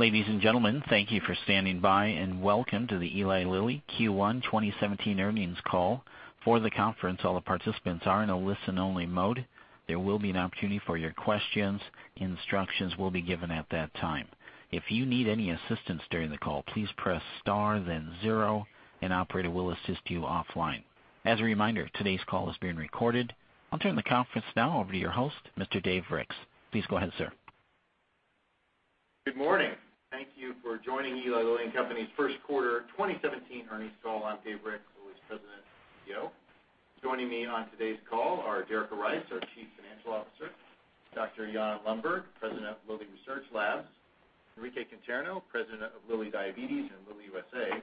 Ladies and gentlemen, thank you for standing by, and welcome to the Eli Lilly Q1 2017 earnings call. For the conference, all the participants are in a listen-only mode. There will be an opportunity for your questions. Instructions will be given at that time. If you need any assistance during the call, please press star then zero, an operator will assist you offline. As a reminder, today's call is being recorded. I'll turn the conference now over to your host, Mr. Dave Ricks. Please go ahead, sir. Good morning. Thank you for joining Eli Lilly and Company's first quarter 2017 earnings call. I'm Dave Ricks, Lilly's President and CEO. Joining me on today's call are Derica Rice, our Chief Financial Officer, Dr. Jan M. Lundberg, President of Lilly Research Labs, Enrique Conterno, President of Lilly Diabetes and Lilly USA,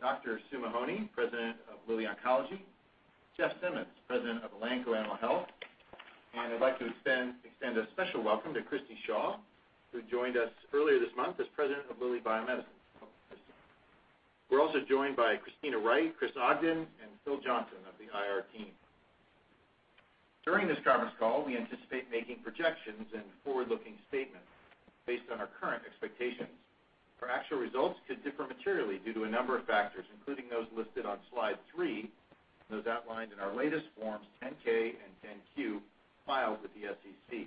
Dr. Sue Mahony, President of Lilly Oncology, Jeff Simmons, President of Elanco Animal Health, and I'd like to extend a special welcome to Christi Shaw, who joined us earlier this month as President of Lilly Bio-Medicines. Welcome, Christi. We're also joined by Kristina Wright, Chris Ogden, and Phil Johnson of the IR team. During this conference call, we anticipate making projections and forward-looking statements based on our current expectations. Our actual results could differ materially due to a number of factors, including those listed on slide three, and those outlined in our latest forms 10-K and 10-Q filed with the SEC.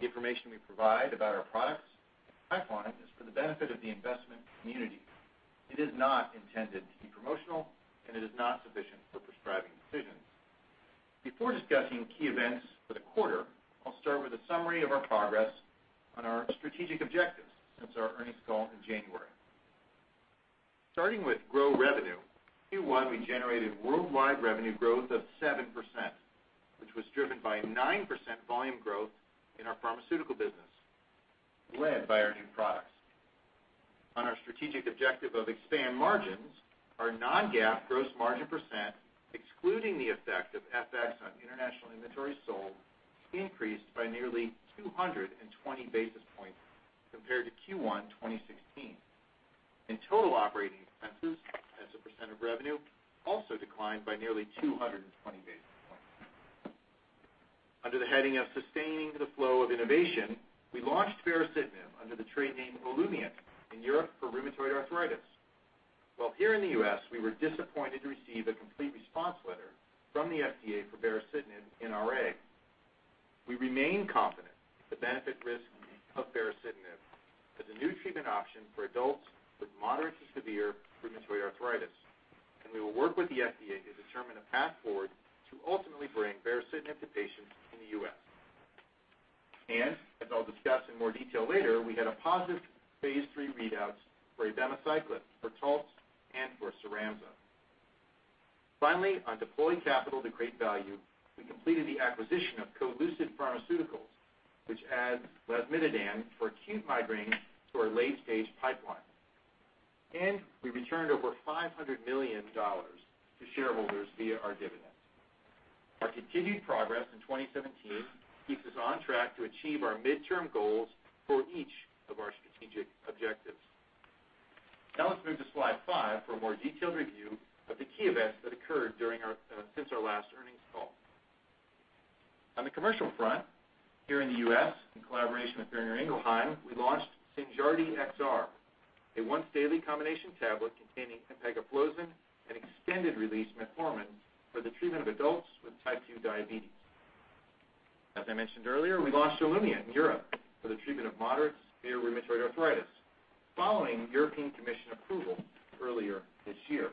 The information we provide about our products and pipeline is for the benefit of the investment community. It is not intended to be promotional, and it is not sufficient for prescribing decisions. Before discussing key events for the quarter, I'll start with a summary of our progress on our strategic objectives since our earnings call in January. Starting with grow revenue, Q1, we generated worldwide revenue growth of 7%, which was driven by 9% volume growth in our pharmaceutical business, led by our new products. On our strategic objective of expand margins, our non-GAAP gross margin %, excluding the effect of FX on international inventories sold, increased by nearly 220 basis points compared to Q1 2016. Total operating expenses as a % of revenue also declined by nearly 220 basis points. Under the heading of sustaining the flow of innovation, we launched baricitinib under the trade name Olumiant in Europe for rheumatoid arthritis. While here in the U.S., we were disappointed to receive a Complete Response Letter from the FDA for baricitinib in RA. We remain confident the benefit-risk of baricitinib as a new treatment option for adults with moderate to severe rheumatoid arthritis, and we will work with the FDA to determine a path forward to ultimately bring baricitinib to patients in the U.S. As I'll discuss in more detail later, we had a positive phase III readouts for abemaciclib, for Taltz, and for CYRAMZA. Finally, on deploying capital to create value, we completed the acquisition of CoLucid Pharmaceuticals, which adds lasmiditan for acute migraines to our late-stage pipeline. We returned over $500 million to shareholders via our dividends. Our continued progress in 2017 keeps us on track to achieve our midterm goals for each of our strategic objectives. Let's move to slide five for a more detailed review of the key events that occurred since our last earnings call. On the commercial front, here in the U.S., in collaboration with Boehringer Ingelheim, we launched SYNJARDY XR, a once-daily combination tablet containing empagliflozin, an extended-release metformin for the treatment of adults with type 2 diabetes. As I mentioned earlier, we launched Olumiant in Europe for the treatment of moderate to severe rheumatoid arthritis following European Commission approval earlier this year.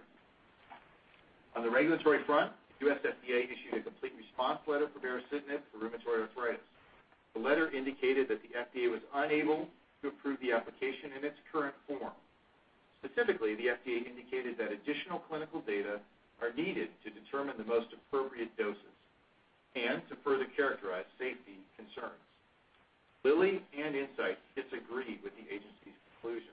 On the regulatory front, the U.S. FDA issued a Complete Response Letter for baricitinib for rheumatoid arthritis. The letter indicated that the FDA was unable to approve the application in its current form. Specifically, the FDA indicated that additional clinical data are needed to determine the most appropriate doses and to further characterize safety concerns. Lilly and Incyte disagree with the agency's conclusion,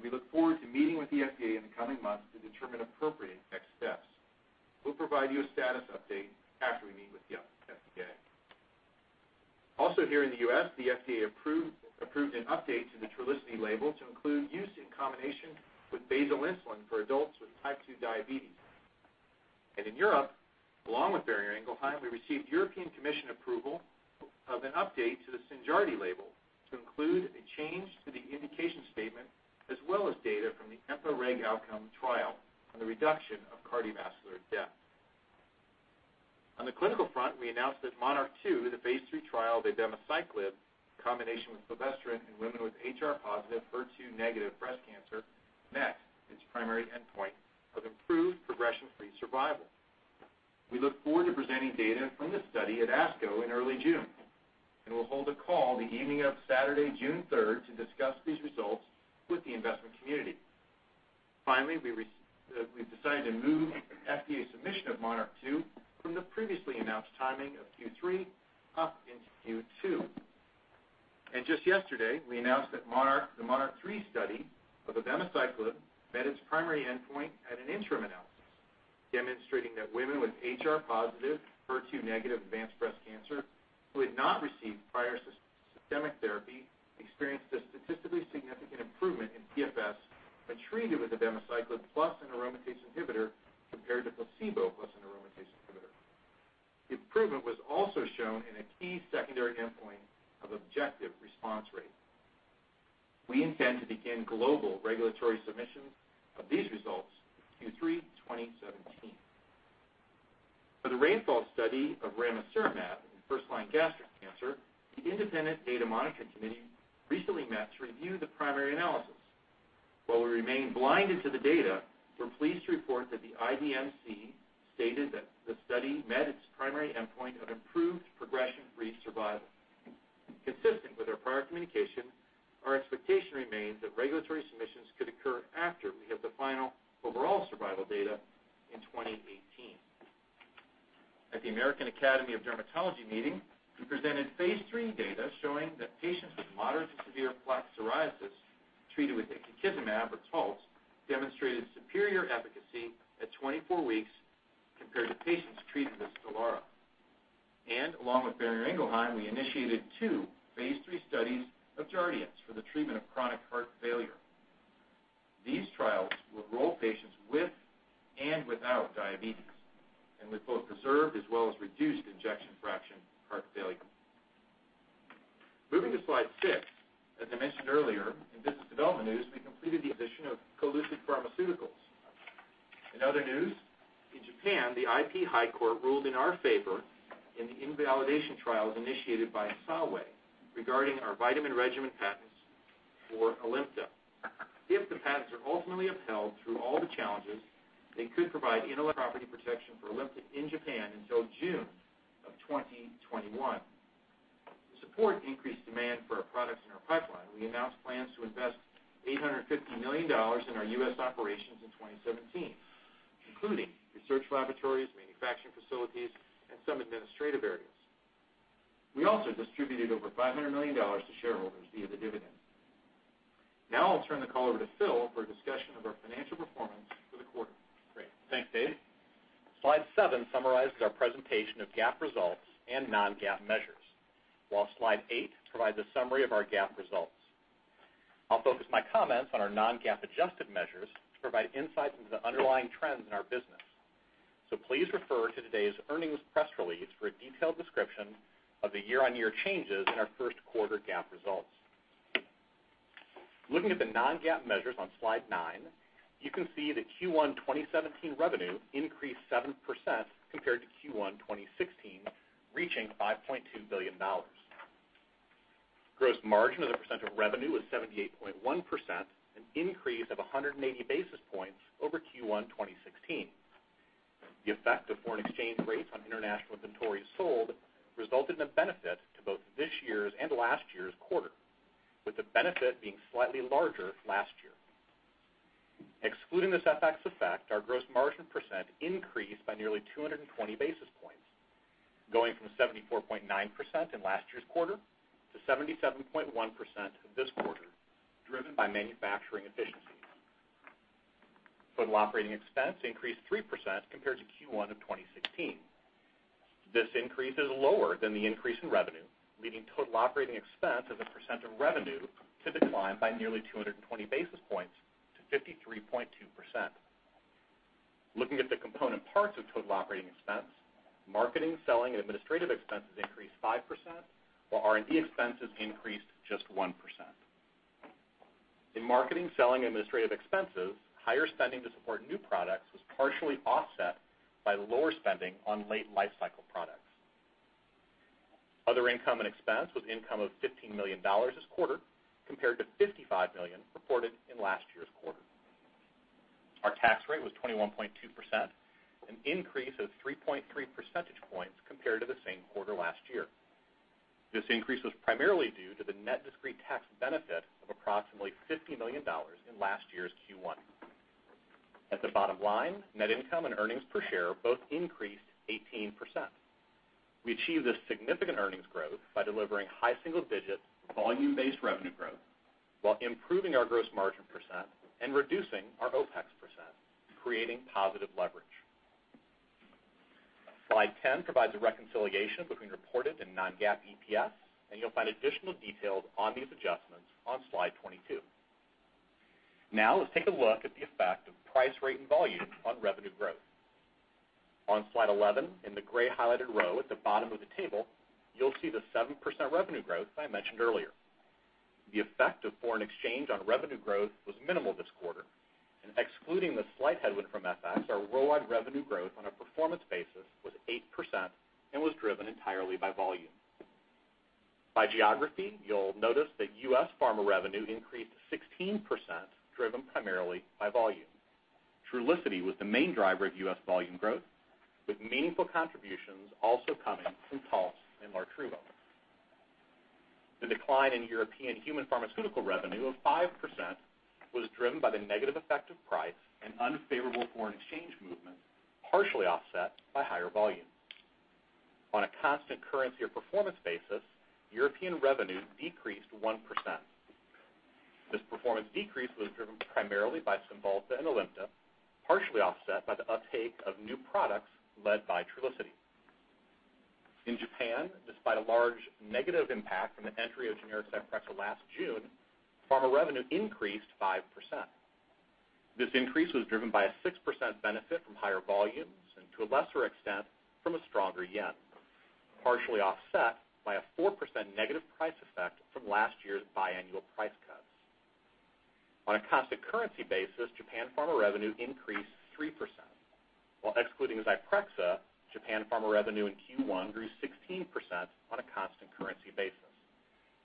we look forward to meeting with the FDA in the coming months to determine appropriate next steps. We'll provide you a status update after we meet with the FDA. Here in the U.S., the FDA approved an update to the Trulicity label to include use in combination with basal insulin for adults with type 2 diabetes. In Europe, along with Boehringer Ingelheim, we received European Commission approval of an update to the SYNJARDY label to include a change to the indication statement, as well as data from the EMPA-REG OUTCOME trial on the reduction of cardiovascular death. On the clinical front, we announced that MONARCH 2, the phase III trial of abemaciclib, combination with fulvestrant in women with HR-positive, HER2-negative breast cancer met its primary endpoint of improved progression-free survival. We look forward to presenting data from this study at ASCO in early June, and we'll hold a call the evening of Saturday, June 3rd, to discuss these results with the investment community. We've decided to move FDA submission of MONARCH 2 from the previously announced timing of Q3 up into Q2. Just yesterday, we announced that the MONARCH 3 study of abemaciclib met its primary endpoint at an interim analysis, demonstrating that women with HR-positive, HER2-negative advanced breast cancer who had not received prior systemic therapy experienced a statistically significant improvement in PFS when treated with abemaciclib plus an aromatase inhibitor compared to placebo plus an aromatase inhibitor. Improvement was also shown in a key secondary endpoint of objective response rate. We intend to begin global regulatory submissions of these results in Q3 2017. For the RAINFALL study of ramucirumab in first-line gastric cancer, the Independent Data Monitoring Committee recently met to review the primary analysis. While we remain blinded to the data, we're pleased to report that the IDMC stated that the study met its primary endpoint of improved progression-free survival. Consistent with our prior communication, our expectation remains that regulatory submissions could occur after we have the final overall survival data in 2018. At the American Academy of Dermatology meeting, we presented phase III data showing that patients with moderate to severe plaque psoriasis treated with ixekizumab or Taltz demonstrated superior efficacy at 24 weeks compared to patients treated with STELARA. Along with Boehringer Ingelheim, we initiated two phase III studies of JARDIANCE for the treatment of chronic heart failure. These trials will enroll patients with and without diabetes and with both preserved as well as reduced ejection fraction heart failure. Moving to slide six, as I mentioned earlier, in business development news, we completed the acquisition of CoLucid Pharmaceuticals. In other news, in Japan, the IP High Court ruled in our favor in the invalidation trials initiated by Eisai regarding our vitamin regimen patents for ALIMTA. If the patents are ultimately upheld through all the challenges, they could provide intellectual property protection for ALIMTA in Japan until June 2021. To support increased demand for our products in our pipeline, we announced plans to invest $850 million in our U.S. operations in 2017, including research laboratories, manufacturing facilities, and some administrative areas. We also distributed over $500 million to shareholders via the dividends. Now I'll turn the call over to Phil for a discussion of our financial performance for the quarter. Great. Thanks, Dave. Slide seven summarizes our presentation of GAAP results and non-GAAP measures, while slide eight provides a summary of our GAAP results. I'll focus my comments on our non-GAAP adjusted measures to provide insight into the underlying trends in our business. Please refer to today's earnings press release for a detailed description of the year-on-year changes in our first quarter GAAP results. Looking at the non-GAAP measures on slide nine, you can see that Q1 2017 revenue increased 7% compared to Q1 2016, reaching $5.2 billion. Gross margin as a percent of revenue was 78.1%, an increase of 180 basis points over Q1 2016. The effect of foreign exchange rates on international inventories sold resulted in a benefit to both this year's and last year's quarter, with the benefit being slightly larger last year. Excluding this FX effect, our gross margin percent increased by nearly 220 basis points, going from 74.9% in last year's quarter to 77.1% this quarter, driven by manufacturing efficiencies. Total operating expense increased 3% compared to Q1 2016. This increase is lower than the increase in revenue, leading total operating expense as a percent of revenue to decline by nearly 220 basis points to 53.2%. Looking at the component parts of total operating expense, marketing, selling, and administrative expenses increased 5%, while R&D expenses increased just 1%. In marketing, selling, and administrative expenses, higher spending to support new products was partially offset by lower spending on late lifecycle products. Other income and expense was income of $15 million this quarter, compared to $55 million reported in last year's quarter. Our tax rate was 21.2%, an increase of 3.3 percentage points compared to the same quarter last year. This increase was primarily due to the net discrete tax benefit of approximately $50 million in last year's Q1. At the bottom line, net income and earnings per share both increased 18%. We achieved this significant earnings growth by delivering high single-digit volume-based revenue growth while improving our gross margin percent and reducing our OPEX%, creating positive leverage. Slide 10 provides a reconciliation between reported and non-GAAP EPS, and you'll find additional details on these adjustments on slide 22. Now let's take a look at the effect of price, rate, and volume on revenue growth. On slide 11, in the gray highlighted row at the bottom of the table, you'll see the 7% revenue growth that I mentioned earlier. The effect of foreign exchange on revenue growth was minimal this quarter, and excluding the slight headwind from FX, our worldwide revenue growth on a performance basis was 8% and was driven entirely by volume. By geography, you'll notice that U.S. pharma revenue increased 16%, driven primarily by volume. Trulicity was the main driver of U.S. volume growth, with meaningful contributions also coming from Taltz and Lartruvo. The decline in European human pharmaceutical revenue of 5% was driven by the negative effect of price and unfavorable foreign exchange movement, partially offset by higher volume. On a constant currency or performance basis, European revenue decreased 1%. This performance decrease was driven primarily by Cymbalta and Olumiant, partially offset by the uptake of new products led by Trulicity. In Japan, despite a large negative impact from the entry of generic Cymbalta last June, pharma revenue increased 5%. This increase was driven by a 6% benefit from higher volumes, and to a lesser extent, from a stronger yen, partially offset by a 4% negative price effect from last year's biannual price cuts. On a constant currency basis, Japan pharma revenue increased 3%, while excluding Zyprexa, Japan pharma revenue in Q1 grew 16% on a constant currency basis,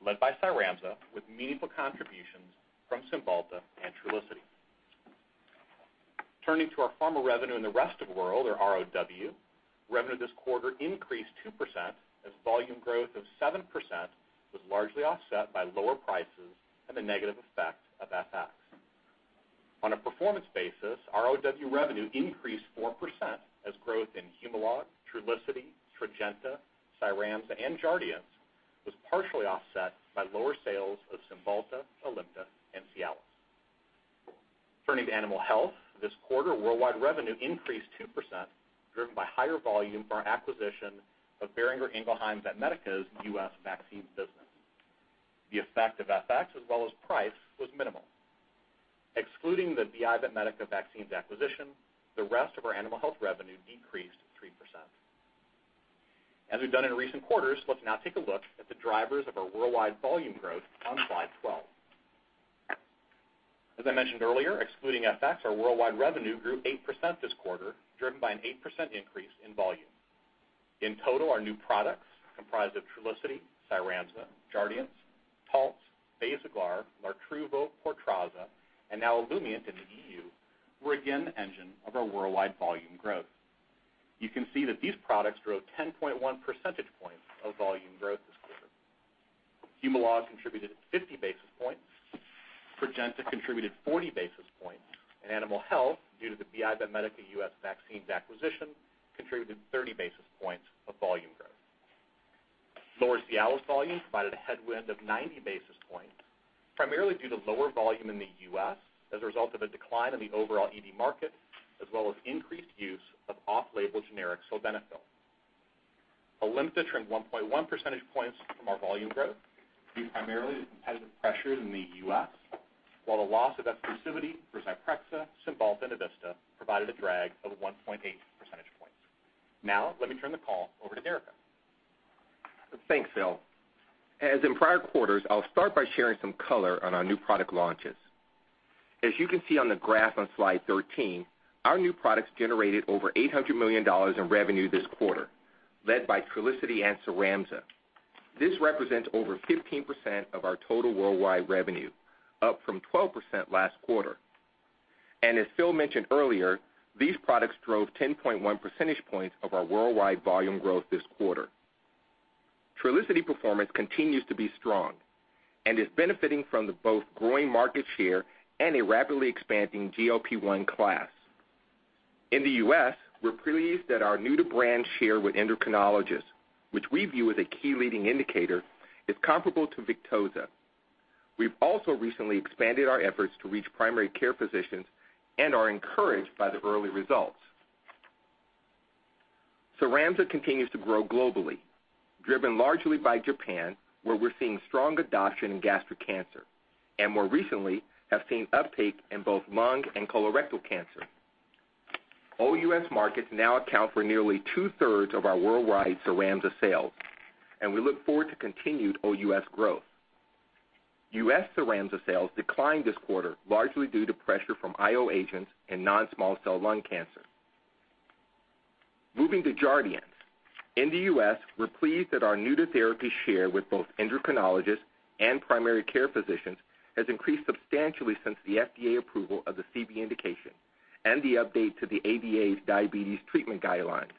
led by Cyramza with meaningful contributions from Cymbalta and Trulicity. Turning to our pharma revenue in the rest of world, or ROW, revenue this quarter increased 2% as volume growth of 7% was largely offset by lower prices and the negative effect of FX. On a performance basis, ROW revenue increased 4% as growth in Humalog, Trulicity, Trajenta, Cyramza, and Jardiance was partially offset by lower sales of Cymbalta, ALIMTA, and Cialis. Turning to animal health. This quarter, worldwide revenue increased 2%, driven by higher volume for our acquisition of Boehringer Ingelheim Vetmedica's U.S. vaccines business. The effect of FX as well as price was minimal. Excluding the BI Vetmedica vaccines acquisition, the rest of our animal health revenue decreased 3%. As we've done in recent quarters, let's now take a look at the drivers of our worldwide volume growth on slide 12. As I mentioned earlier, excluding FX, our worldwide revenue grew 8% this quarter, driven by an 8% increase in volume. In total, our new products, comprised of Trulicity, Cyramza, Jardiance, Taltz, Basaglar, Lartruvo, Portrazza, and now Olumiant in the EU, were again the engine of our worldwide volume growth. You can see that these products drove 10.1 percentage points of volume growth this quarter. Humalog contributed 50 basis points. Trajenta contributed 40 basis points. Animal health, due to the Boehringer Ingelheim Vetmedica U.S. vaccines acquisition, contributed 30 basis points of volume growth. Lower Cialis volume provided a headwind of 90 basis points, primarily due to lower volume in the U.S. as a result of a decline in the overall ED market, as well as increased use of off-label generic sildenafil. ALIMTA trimmed 1.1 percentage points from our volume growth, due primarily to competitive pressures in the U.S., while the loss of exclusivity for Zyprexa, Cymbalta, and Evista provided a drag of 1.8 percentage points. Now, let me turn the call over to Derica. Thanks, Phil. As in prior quarters, I'll start by sharing some color on our new product launches. As you can see on the graph on slide 13, our new products generated over $800 million in revenue this quarter, led by Trulicity and Cyramza. This represents over 15% of our total worldwide revenue, up from 12% last quarter. As Phil mentioned earlier, these products drove 10.1 percentage points of our worldwide volume growth this quarter. Trulicity performance continues to be strong and is benefiting from both growing market share and a rapidly expanding GLP-1 class. In the U.S., we're pleased that our new to brand share with endocrinologists, which we view as a key leading indicator, is comparable to Victoza. We've also recently expanded our efforts to reach primary care physicians and are encouraged by the early results. Cyramza continues to grow globally, driven largely by Japan, where we're seeing strong adoption in gastric cancer, more recently, have seen uptake in both lung and colorectal cancer. OUS markets now account for nearly two-thirds of our worldwide Cyramza sales, we look forward to continued OUS growth. U.S. Cyramza sales declined this quarter, largely due to pressure from IO agents in non-small cell lung cancer. Moving to Jardiance. In the U.S., we're pleased that our new to therapy share with both endocrinologists and primary care physicians has increased substantially since the FDA approval of the CV indication and the update to the American Diabetes Association's diabetes treatment guidelines.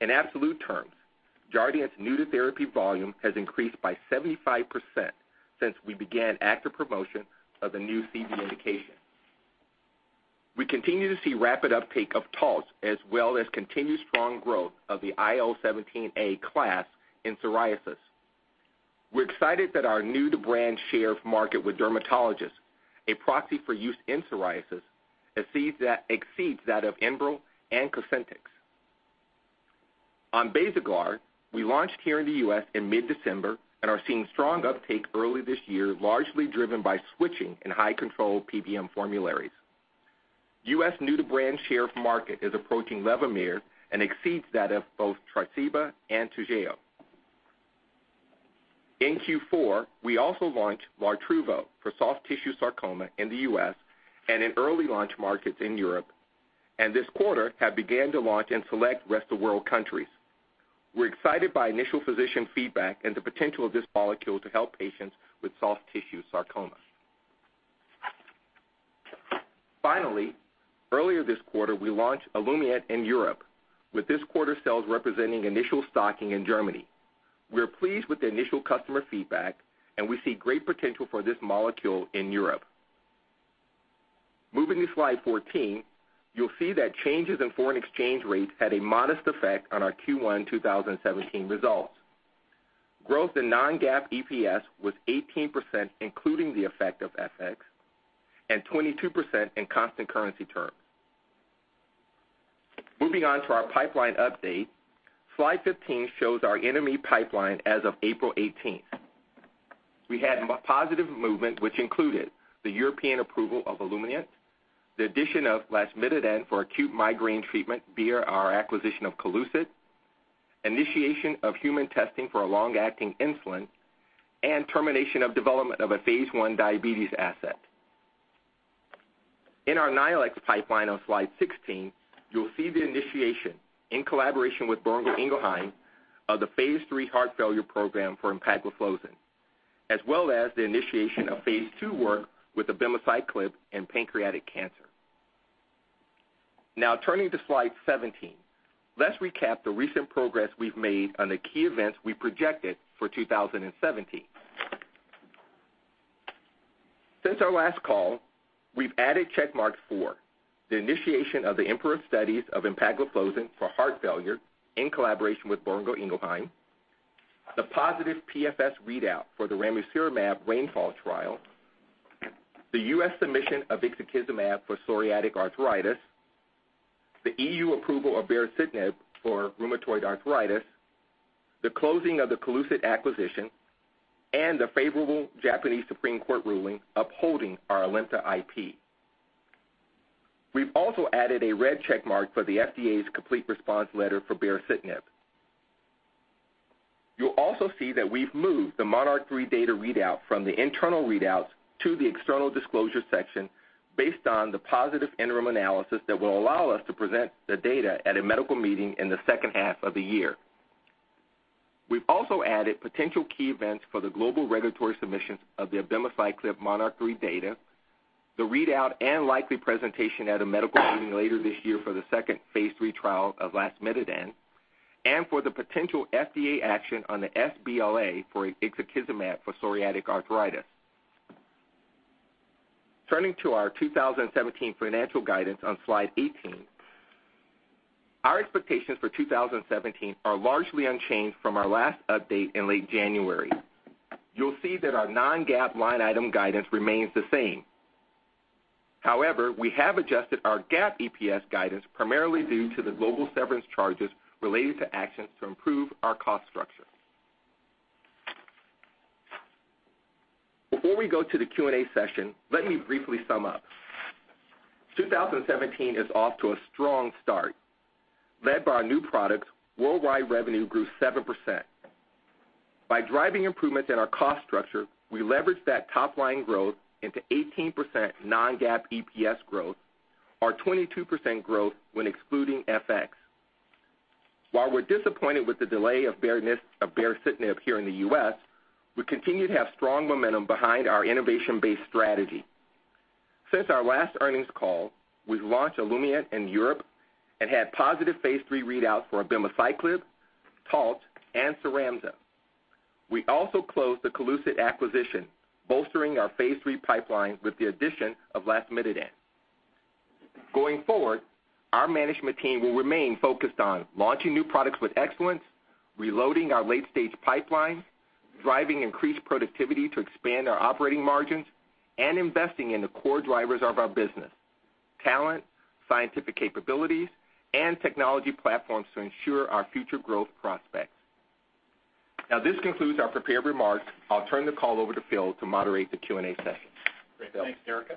In absolute terms, Jardiance new to therapy volume has increased by 75% since we began active promotion of the new CV indication. We continue to see rapid uptake of Taltz, as well as continued strong growth of the IL-17A class in psoriasis. We're excited that our new to brand share of market with dermatologists, a proxy for use in psoriasis, exceeds that of ENBREL and COSENTYX. On Basaglar, we launched here in the U.S. in mid-December and are seeing strong uptake early this year, largely driven by switching and high control PBM formularies. U.S. new to brand share of market is approaching Levemir and exceeds that of both Tresiba and Toujeo. In Q4, we also launched Lartruvo for soft tissue sarcoma in the U.S. and in early launch markets in Europe, this quarter have began to launch in select rest of world countries. We're excited by initial physician feedback and the potential of this molecule to help patients with soft tissue sarcoma. Finally, earlier this quarter, we launched Olumiant in Europe, with this quarter's sales representing initial stocking in Germany. We're pleased with the initial customer feedback, we see great potential for this molecule in Europe. Moving to slide 14, you'll see that changes in foreign exchange rates had a modest effect on our Q1 2017 results. Growth in non-GAAP EPS was 18%, including the effect of FX, and 22% in constant currency terms. Moving on to our pipeline update. Slide 15 shows our NME pipeline as of April 18th. We had positive movement, which included the European approval of Olumiant, the addition of lasmiditan for acute migraine treatment via our acquisition of CoLucid, initiation of human testing for a long-acting insulin, and termination of development of a phase I diabetes asset. In our NME pipeline on slide 16, you'll see the initiation, in collaboration with Boehringer Ingelheim, of the phase III heart failure program for empagliflozin, as well as the initiation of phase II work with abemaciclib in pancreatic cancer. Turning to slide 17. Let's recap the recent progress we've made on the key events we projected for 2017. Since our last call, we've added check marks for the initiation of the EMPEROR studies of empagliflozin for heart failure in collaboration with Boehringer Ingelheim, the positive PFS readout for the ramucirumab RAINFALL trial, the U.S. submission of ixekizumab for psoriatic arthritis, the EU approval of baricitinib for rheumatoid arthritis, the closing of the CoLucid acquisition, and the favorable Japanese Supreme Court ruling upholding our ALIMTA IP. We've also added a red check mark for the FDA's Complete Response Letter for baricitinib. You'll also see that we've moved the MONARCH 3 data readout from the internal readouts to the external disclosure section based on the positive interim analysis that will allow us to present the data at a medical meeting in the second half of the year. We've also added potential key events for the global regulatory submissions of the abemaciclib MONARCH 3 data, the readout, and likely presentation at a medical meeting later this year for the second phase III trial of lasmiditan, and for the potential FDA action on the sBLA for ixekizumab for psoriatic arthritis. Turning to our 2017 financial guidance on slide 18. Our expectations for 2017 are largely unchanged from our last update in late January. You'll see that our non-GAAP line item guidance remains the same. However, we have adjusted our GAAP EPS guidance primarily due to the global severance charges related to actions to improve our cost structure. Before we go to the Q&A session, let me briefly sum up. 2017 is off to a strong start. Led by our new products, worldwide revenue grew 7%. By driving improvements in our cost structure, we leveraged that top-line growth into 18% non-GAAP EPS growth, or 22% growth when excluding FX. While we're disappointed with the delay of baricitinib here in the U.S., we continue to have strong momentum behind our innovation-based strategy. Since our last earnings call, we've launched Olumiant in Europe and had positive phase III readouts for abemaciclib, Taltz, and CYRAMZA. We also closed the CoLucid acquisition, bolstering our phase III pipeline with the addition of lasmiditan. Going forward, our management team will remain focused on launching new products with excellence, reloading our late-stage pipeline, driving increased productivity to expand our operating margins, and investing in the core drivers of our business, talent, scientific capabilities, and technology platforms to ensure our future growth prospects. This concludes our prepared remarks. I'll turn the call over to Phil to moderate the Q&A session. Phil? Great. Thanks, Derica.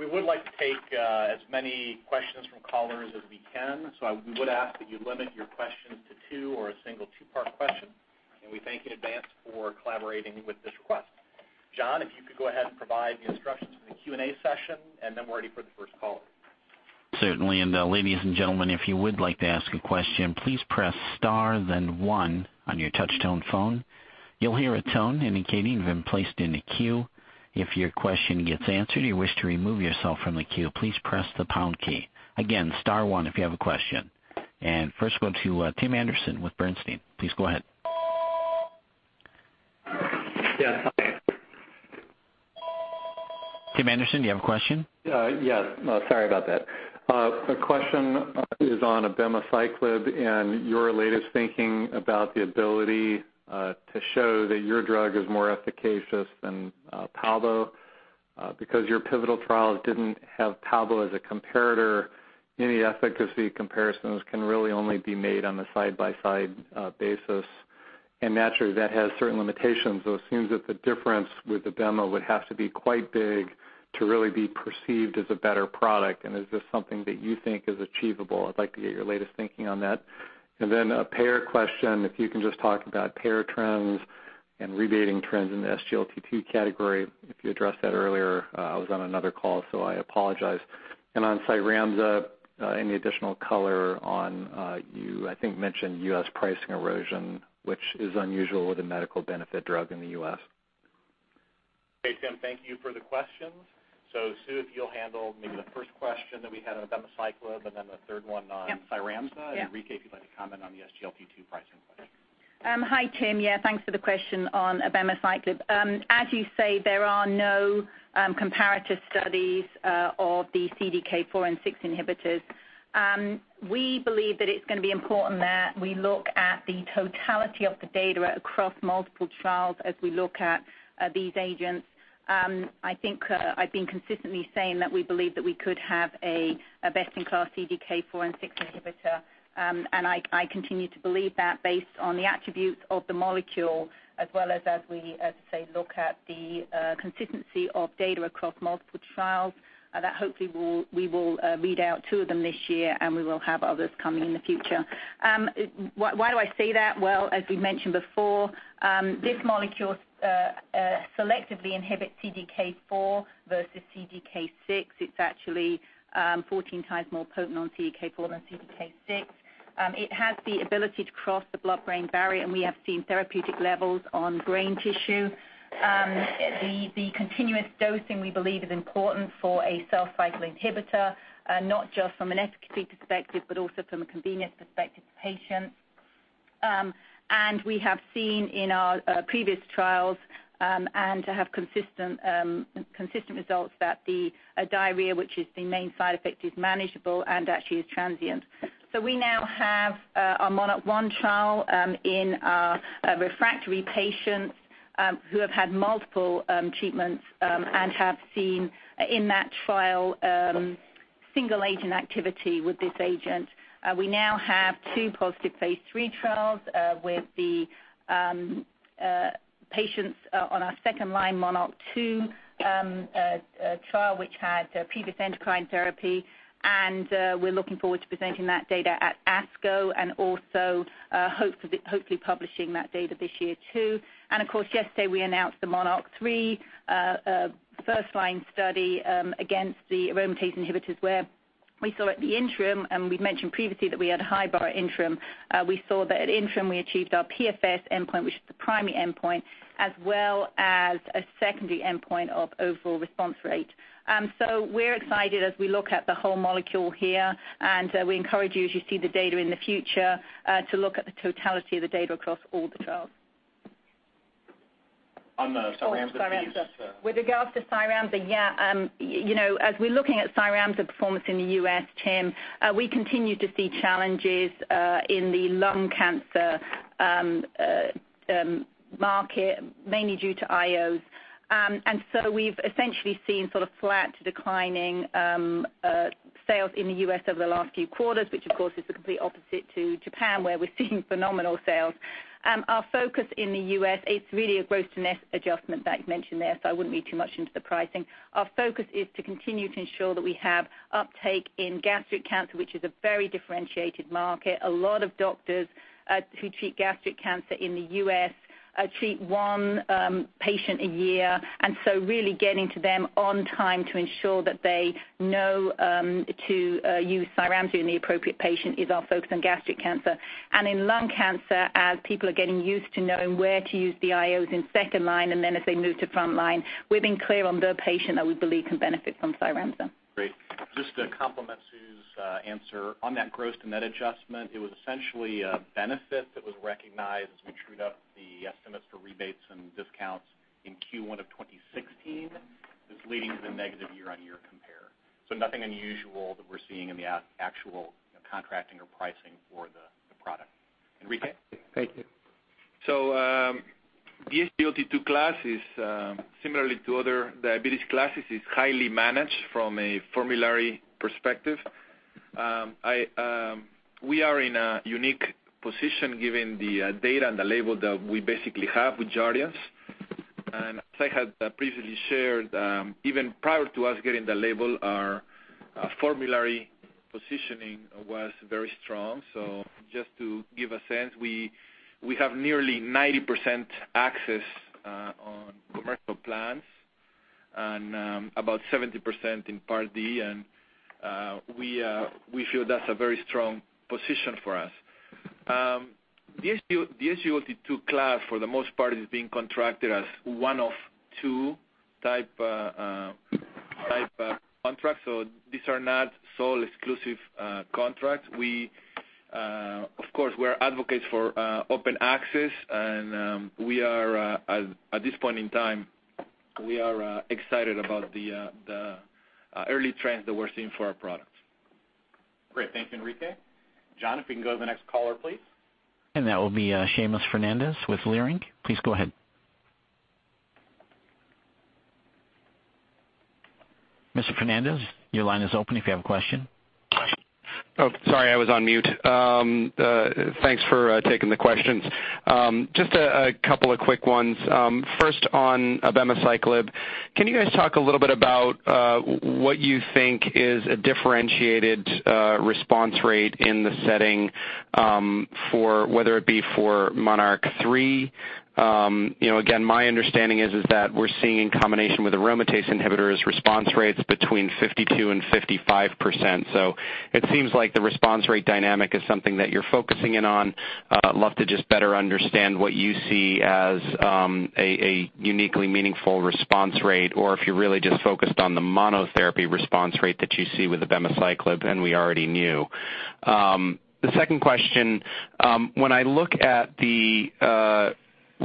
We would like to take as many questions from callers as we can, we would ask that you limit your questions to two or a single two-part question, we thank you in advance for collaborating with this request. John, if you could go ahead and provide the instructions for the Q&A session, we're ready for the first caller. Certainly, ladies and gentlemen, if you would like to ask a question, please press star then one on your touch-tone phone. You'll hear a tone indicating you've been placed in a queue. If your question gets answered or you wish to remove yourself from the queue, please press the pound key. Again, star one if you have a question. First go to Tim Anderson with Bernstein. Please go ahead. Yes, hi. Tim Anderson, do you have a question? Yes. Sorry about that. A question is on abemaciclib and your latest thinking about the ability to show that your drug is more efficacious than palbociclib. Naturally, that has certain limitations, so it seems that the difference with abema would have to be quite big to really be perceived as a better product. Is this something that you think is achievable? I'd like to get your latest thinking on that. Then a payer question, if you can just talk about payer trends and rebating trends in the SGLT2 category. If you addressed that earlier, I was on another call, so I apologize. On CYRAMZA, any additional color on, you I think mentioned U.S. pricing erosion, which is unusual with a medical benefit drug in the U.S. Okay, Tim, thank you for the questions. Sue, if you'll handle maybe the first question that we had on abemaciclib. Yep CYRAMZA. Yeah. Enrique, if you'd like to comment on the SGLT2 pricing question. Hi, Tim. Yeah, thanks for the question on abemaciclib. As you say, there are no comparative studies of the CDK4 and 6 inhibitors. We believe that it's going to be important that we look at the totality of the data across multiple trials as we look at these agents. I think I've been consistently saying that we believe that we could have a best-in-class CDK4 and 6 inhibitor, and I continue to believe that based on the attributes of the molecule, as well as we, as I say, look at the consistency of data across multiple trials, that hopefully we will read out two of them this year, and we will have others coming in the future. Why do I say that? Well, as we mentioned before, this molecule selectively inhibits CDK4 versus CDK6. It's actually 14 times more potent on CDK4 than CDK6. It has the ability to cross the blood-brain barrier, and we have seen therapeutic levels on brain tissue. The continuous dosing, we believe, is important for a cell cycle inhibitor, not just from an efficacy perspective, but also from a convenience perspective to patients. We have seen in our previous trials, and have consistent results that the diarrhea, which is the main side effect, is manageable and actually is transient. We now have our MONARCH 1 trial in our refractory patients who have had multiple treatments and have seen in that trial single agent activity with this agent. We now have two positive phase III trials with the patients on our second-line MONARCH 2 trial, which had previous endocrine therapy, and we're looking forward to presenting that data at ASCO and also hopefully publishing that data this year, too. Of course, yesterday we announced the MONARCH 3 first-line study against the aromatase inhibitors, where we saw at the interim, and we've mentioned previously that we had high bar interim, we saw that at interim we achieved our PFS endpoint, which is the primary endpoint, as well as a secondary endpoint of overall response rate. We're excited as we look at the whole molecule here, and we encourage you as you see the data in the future to look at the totality of the data across all the trials. On the Cyramza piece. Oh, Cyramza. With regard to Cyramza, yeah. As we're looking at Cyramza performance in the U.S., Tim, we continue to see challenges in the lung cancer market, mainly due to IOs. We've essentially seen sort of flat to declining sales in the U.S. over the last few quarters, which of course is the complete opposite to Japan, where we're seeing phenomenal sales. Our focus in the U.S., it's really a gross-to-net adjustment that you mentioned there, so I wouldn't read too much into the pricing. Our focus is to continue to ensure that we have uptake in gastric cancer, which is a very differentiated market. A lot of doctors who treat gastric cancer in the U.S. treat one patient a year, really getting to them on time to ensure that they know to use Cyramza in the appropriate patient is our focus on gastric cancer. In lung cancer, as people are getting used to knowing where to use the IOs in second-line and then as they move to front line, we've been clear on the patient that we believe can benefit from Cyramza. Great. Just to complement Sue's answer on that gross-to-net adjustment, it was essentially a benefit that was recognized as we trued up the estimates for rebates and discounts in Q1 of 2016. This is leading to the negative year-on-year compare. Nothing unusual that we're seeing in the actual contracting or pricing for the product. Enrique? Thank you. The SGLT2 class, similarly to other diabetes classes, is highly managed from a formulary perspective. We are in a unique position given the data and the label that we basically have with Jardiance. As I had previously shared, even prior to us getting the label, our formulary positioning was very strong. Just to give a sense, we have nearly 90% access on commercial plans and about 70% in Part D, and we feel that's a very strong position for us. The SGLT2 class, for the most part, is being contracted as one of 2 type contracts. These are not sole exclusive contracts. Of course, we're advocates for open access, and at this point in time, we are excited about the early trends that we're seeing for our products. Great. Thanks, Enrique. John, if we can go to the next caller, please. That will be Seamus Fernandez with Leerink Partners. Please go ahead. Mr. Fernandez, your line is open if you have a question. Oh, sorry, I was on mute. Thanks for taking the questions. Just a couple of quick ones. First on abemaciclib, can you guys talk a little bit about what you think is a differentiated response rate in the setting, whether it be for MONARCH III? Again, my understanding is that we're seeing in combination with aromatase inhibitors response rates between 52%-55%. It seems like the response rate dynamic is something that you're focusing in on. I'd love to just better understand what you see as a uniquely meaningful response rate, or if you're really just focused on the monotherapy response rate that you see with abemaciclib, and we already knew. The second question, when I look at the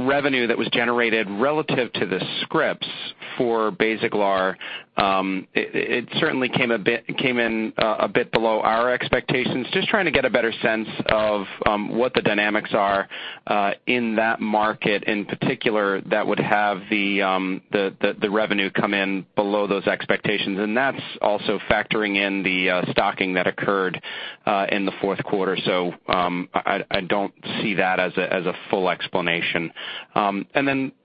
revenue that was generated relative to the scripts for Basaglar, it certainly came in a bit below our expectations. Just trying to get a better sense of what the dynamics are in that market, in particular, that would have the revenue come in below those expectations. That's also factoring in the stocking that occurred in the fourth quarter. I don't see that as a full explanation.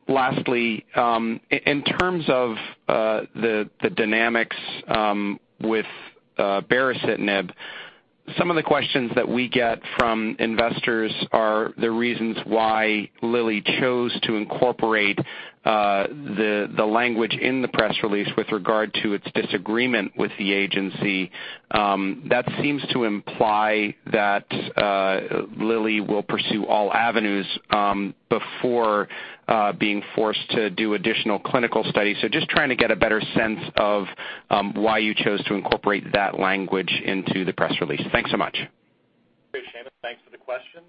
Lastly, in terms of the dynamics with baricitinib, some of the questions that we get from investors are the reasons why Lilly chose to incorporate the language in the press release with regard to its disagreement with the agency. That seems to imply that Lilly will pursue all avenues before being forced to do additional clinical studies. Just trying to get a better sense of why you chose to incorporate that language into the press release. Thanks so much. Great, Seamus. Thanks for the questions.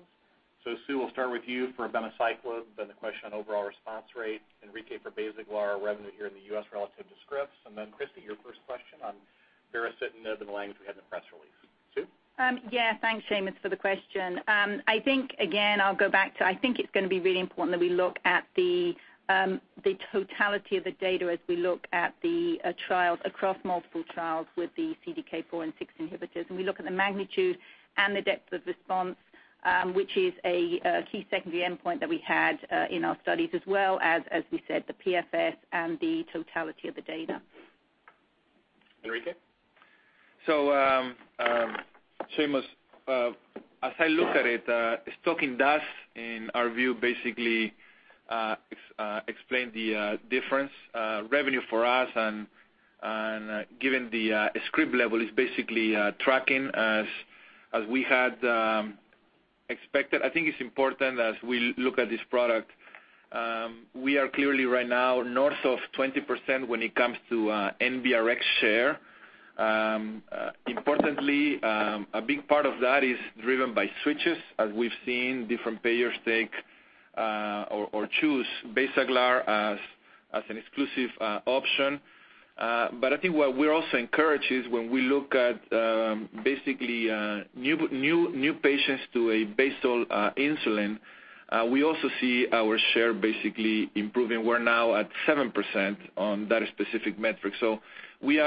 Sue, we'll start with you for abemaciclib, then the question on overall response rate. Enrique for BASAGLAR revenue here in the U.S. relative to scripts. Christi, your first question on baricitinib and the language we had in the press release. Sue? Thanks, Seamus, for the question. I think, again, I'll go back to, I think it's going to be really important that we look at the totality of the data as we look at the trials across multiple trials with the CDK4 and 6 inhibitors. We look at the magnitude and the depth of response, which is a key secondary endpoint that we had in our studies as well as we said, the PFS and the totality of the data. Enrique? Seamus as I look at it, stocking does, in our view, basically explain the difference revenue for us and given the script level is basically tracking as we had expected. I think it's important as we look at this product, we are clearly right now north of 20% when it comes to NBRx share. Importantly, a big part of that is driven by switches as we've seen different payers take or choose BASAGLAR as an exclusive option. I think what we're also encouraged is when we look at basically new patients to a basal insulin, we also see our share basically improving. We're now at 7% on that specific metric. We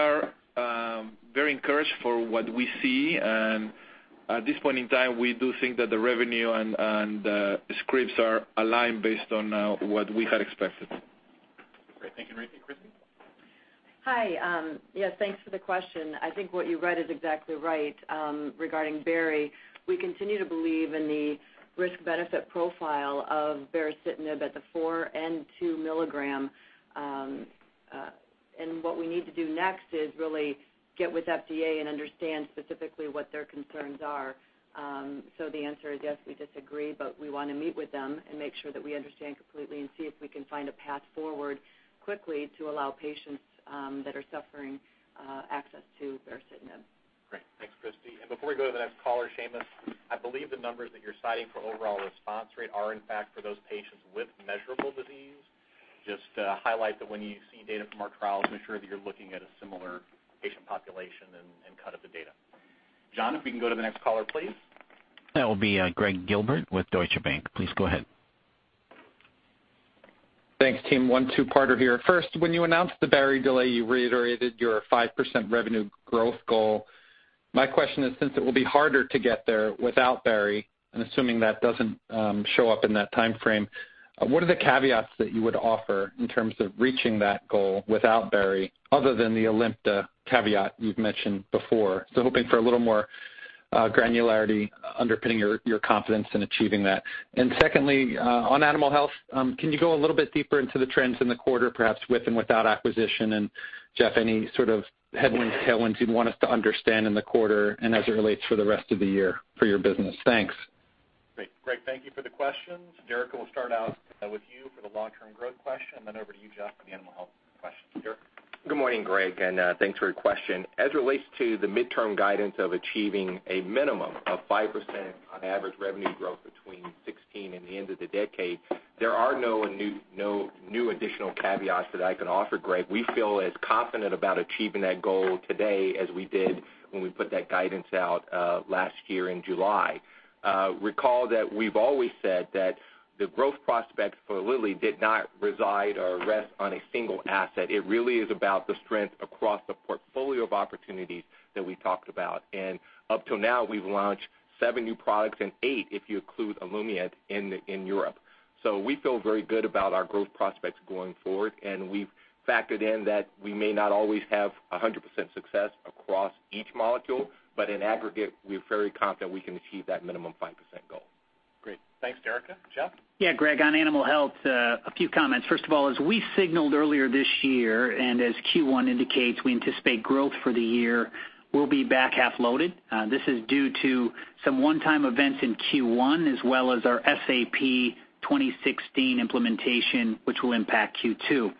are very encouraged for what we see, and at this point in time, we do think that the revenue and the scripts are aligned based on what we had expected. Great. Thank you, Enrique. Christi? Hi. Yeah, thanks for the question. I think what you read is exactly right regarding Bari. We continue to believe in the risk-benefit profile of baricitinib at the four and two milligram. What we need to do next is really get with FDA and understand specifically what their concerns are. The answer is yes, we disagree, we want to meet with them and make sure that we understand completely and see if we can find a path forward quickly to allow patients that are suffering access to baricitinib. Great. Thanks, Christi. Before we go to the next caller, Seamus, I believe the numbers that you're citing for overall response rate are in fact for those patients with measurable disease. Just to highlight that when you see data from our trials, make sure that you're looking at a similar patient population and cut of the data. John, if we can go to the next caller, please. That will be Gregg Gilbert with Deutsche Bank. Please go ahead. Thanks, team. One two-parter here. First, when you announced the baricitinib delay, you reiterated your 5% revenue growth goal. My question is, since it will be harder to get there without baricitinib, and assuming that doesn't show up in that timeframe, what are the caveats that you would offer in terms of reaching that goal without baricitinib other than the ALIMTA caveat you've mentioned before? Hoping for a little more granularity underpinning your confidence in achieving that. Secondly, on Animal Health, can you go a little bit deeper into the trends in the quarter, perhaps with and without acquisition? Jeff, any sort of headwinds, tailwinds you'd want us to understand in the quarter and as it relates for the rest of the year for your business? Thanks. Great. Greg, thank you for the questions. Derica, we'll start out with you for the long-term growth question, then over to you, Jeff, for the Animal Health question. Derica? Good morning, Greg, and thanks for your question. As it relates to the midterm guidance of achieving a minimum of 5% on average revenue growth between 2016 and the end of the decade, there are no new additional caveats that I can offer, Greg. We feel as confident about achieving that goal today as we did when we put that guidance out last year in July. Recall that we've always said that the growth prospects for Lilly did not reside or rest on a single asset. It really is about the strength across the portfolio of opportunities that we talked about. Up till now, we've launched seven new products and eight if you include ALIMTA in Europe. We feel very good about our growth prospects going forward, we've factored in that we may not always have 100% success across each molecule, in aggregate, we're very confident we can achieve that minimum 5% goal. Great. Thanks, Derica. Jeff? Yeah, Greg, on Animal Health, a few comments. First of all, as we signaled earlier this year, and as Q1 indicates, we anticipate growth for the year will be back half loaded. This is due to some one-time events in Q1 as well as our SAP 2016 implementation, which will impact Q2.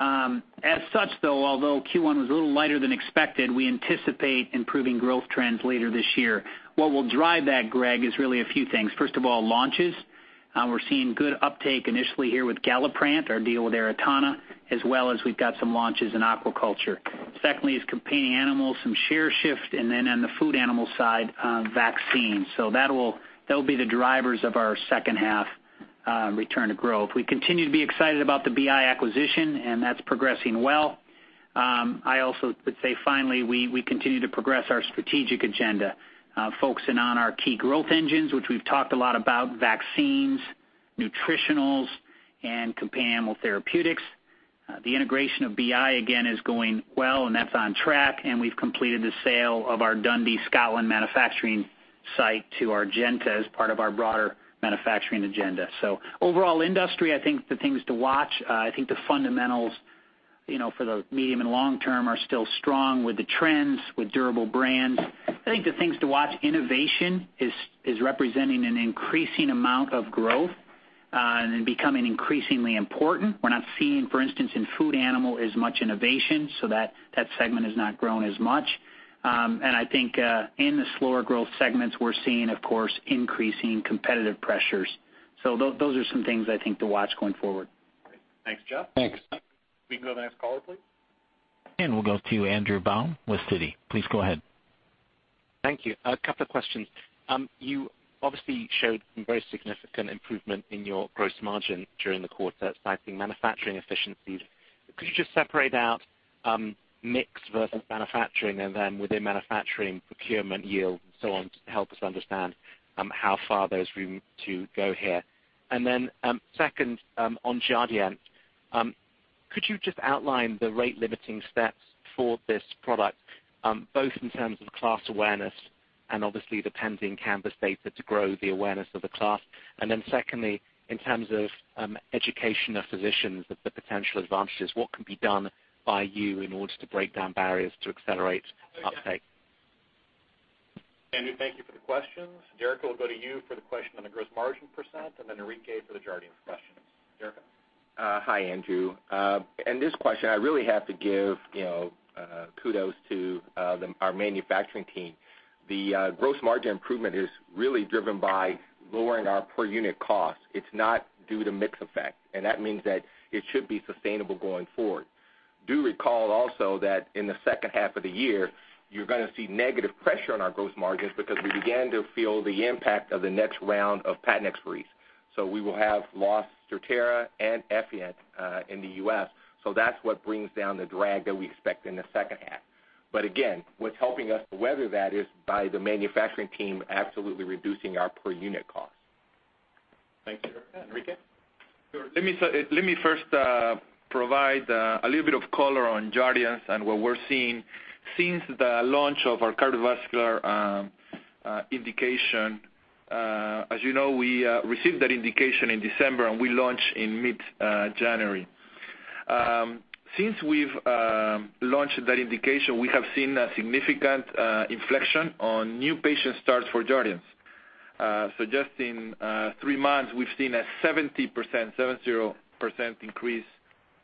As such, though, although Q1 was a little lighter than expected, we anticipate improving growth trends later this year. What will drive that, Greg, is really a few things. First of all, launches. We're seeing good uptake initially here with Galliprant, our deal with Aratana, as well as we've got some launches in aquaculture. Secondly is companion animals, some share shift, and then on the food animal side, vaccines. That'll be the drivers of our second half return to growth. We continue to be excited about the BI acquisition, and that's progressing well. I also would say, finally, we continue to progress our strategic agenda, focusing on our key growth engines, which we've talked a lot about, vaccines, nutritionals, and companion animal therapeutics. The integration of BI, again, is going well, and that's on track, and we've completed the sale of our Dundee, Scotland manufacturing site to Argenta as part of our broader manufacturing agenda. Overall industry, I think the things to watch, I think the fundamentals for the medium and long term are still strong with the trends, with durable brands. I think the things to watch, innovation is representing an increasing amount of growth and becoming increasingly important. We're not seeing, for instance, in food animal as much innovation, so that segment has not grown as much. I think in the slower growth segments, we're seeing, of course, increasing competitive pressures. Those are some things I think to watch going forward. Great. Thanks, Jeff. Thanks. Can we go to the next caller, please? We'll go to Andrew Baum with Citi. Please go ahead. Thank you. A couple of questions. You obviously showed some very significant improvement in your gross margin during the quarter, citing manufacturing efficiencies. Could you just separate out mix versus manufacturing and then within manufacturing, procurement yield and so on to help us understand how far there's room to go here? Second, on JARDIANCE, could you just outline the rate limiting steps for this product, both in terms of class awareness and obviously the pending CANVAS data to grow the awareness of the class? Secondly, in terms of education of physicians of the potential advantages, what can be done by you in order to break down barriers to accelerate uptake? Andrew, thank you for the questions. Derica, we'll go to you for the question on the gross margin percent, then Enrique for the JARDIANCE question. Derica? Hi, Andrew. In this question, I really have to give kudos to our manufacturing team. The gross margin improvement is really driven by lowering our per unit cost. That means that it should be sustainable going forward. Do recall also that in the second half of the year, you're going to see negative pressure on our gross margins because we began to feel the impact of the next round of patent expiries. We will have lost Strattera and Effient in the U.S., that's what brings down the drag that we expect in the second half. Again, what's helping us to weather that is by the manufacturing team absolutely reducing our per unit cost. Thanks, Derica. Enrique? Sure. Let me first provide a little bit of color on Jardiance and what we're seeing since the launch of our cardiovascular indication. As you know, we received that indication in December, and we launched in mid-January. Since we've launched that indication, we have seen a significant inflection on new patient starts for Jardiance. Just in three months, we've seen a 70% increase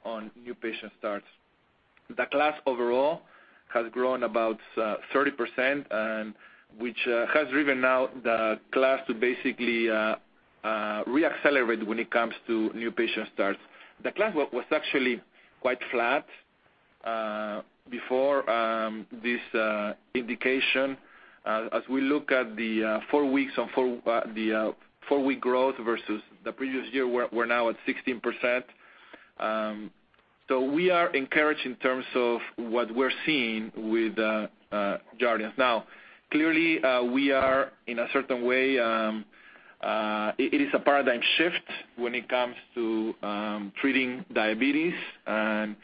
on new patient starts. The class overall has grown about 30%, which has driven now the class to basically re-accelerate when it comes to new patient starts. The class was actually quite flat before this indication. As we look at the four-week growth versus the previous year, we're now at 16%. We are encouraged in terms of what we're seeing with Jardiance. Clearly, we are in a certain way, it is a paradigm shift when it comes to treating diabetes, and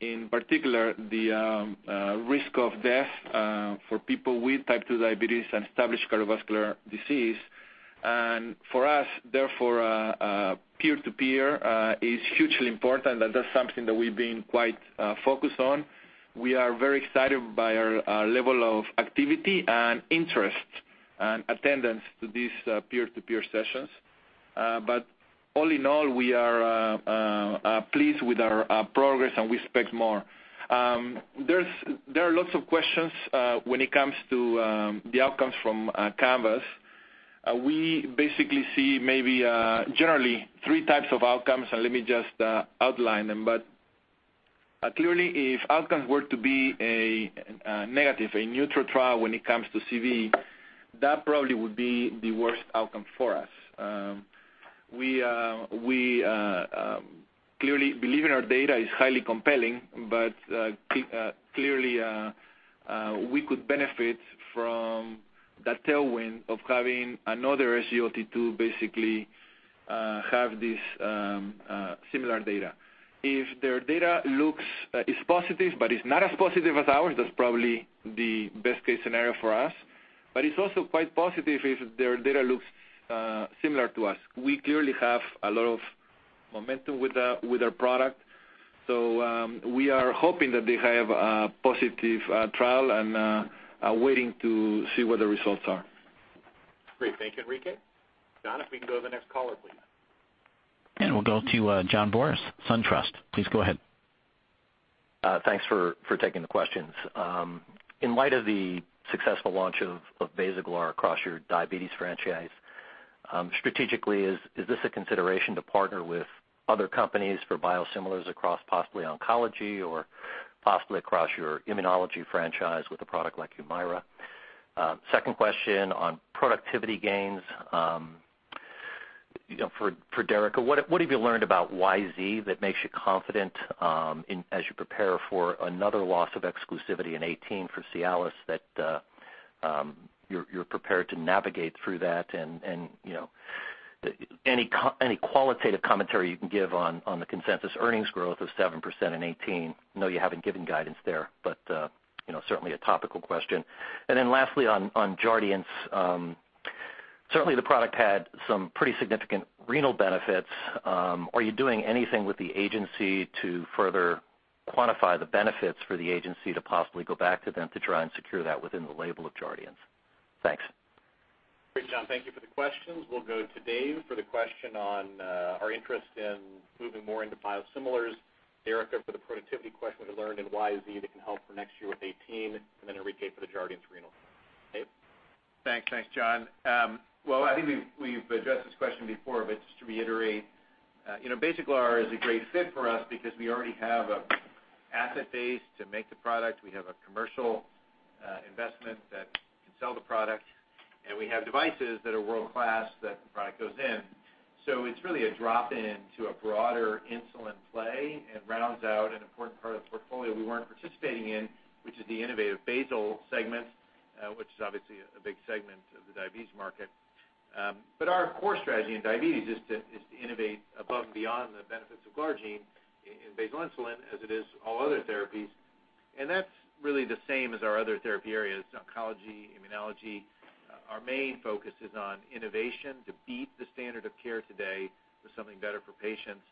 in particular, the risk of death for people with type 2 diabetes and established cardiovascular disease. For us, therefore, peer-to-peer is hugely important, and that's something that we've been quite focused on. We are very excited by our level of activity and interest and attendance to these peer-to-peer sessions. All in all, we are pleased with our progress, and we expect more. There are lots of questions when it comes to the outcomes from CANVAS. We basically see maybe generally 3 types of outcomes, let me just outline them. Clearly, if outcomes were to be a negative, a neutral trial when it comes to cardiovascular, that probably would be the worst outcome for us. We clearly believe in our data is highly compelling, clearly, we could benefit from that tailwind of having another SGLT2 basically have this similar data. If their data is positive is not as positive as ours, that's probably the best case scenario for us. It's also quite positive if their data looks similar to us. We clearly have a lot of momentum with our product. We are hoping that they have a positive trial and are waiting to see what the results are. Great. Thank you, Enrique. John, if we can go to the next caller, please. We'll go to John Boris, SunTrust. Please go ahead. Thanks for taking the questions. In light of the successful launch of Basaglar across your diabetes franchise, strategically, is this a consideration to partner with other companies for biosimilars across possibly oncology or possibly across your immunology franchise with a product like Humira? Second question on productivity gains. For Derica, what have you learned about YZ that makes you confident as you prepare for another loss of exclusivity in 2018 for Cialis that you're prepared to navigate through that? Any qualitative commentary you can give on the consensus earnings growth of 7% in 2018. I know you haven't given guidance there, but certainly a topical question. Lastly on Jardiance, certainly the product had some pretty significant renal benefits. Are you doing anything with the agency to further quantify the benefits for the agency to possibly go back to them to try and secure that within the label of Jardiance? Thanks. Great, John. Thank you for the questions. We'll go to Dave for the question on our interest in moving more into biosimilars, Derek there for the productivity question, what he learned in YZ that can help for next year with 2018, Enrique for the Jardiance renal. Dave? Thanks, John. Well, I think we've addressed this question before, but just to reiterate, Basaglar is a great fit for us because we already have an asset base to make the product, we have a commercial investment that can sell the product, we have devices that are world-class that the product goes in. It's really a drop-in to a broader insulin play and rounds out an important part of the portfolio we weren't participating in, which is the innovative basal segment, which is obviously a big segment of the diabetes market. Our core strategy in diabetes is to innovate above and beyond the benefits of glargine in basal insulin as it is all other therapies. That's really the same as our other therapy areas, oncology, immunology. Our main focus is on innovation to beat the standard of care today with something better for patients.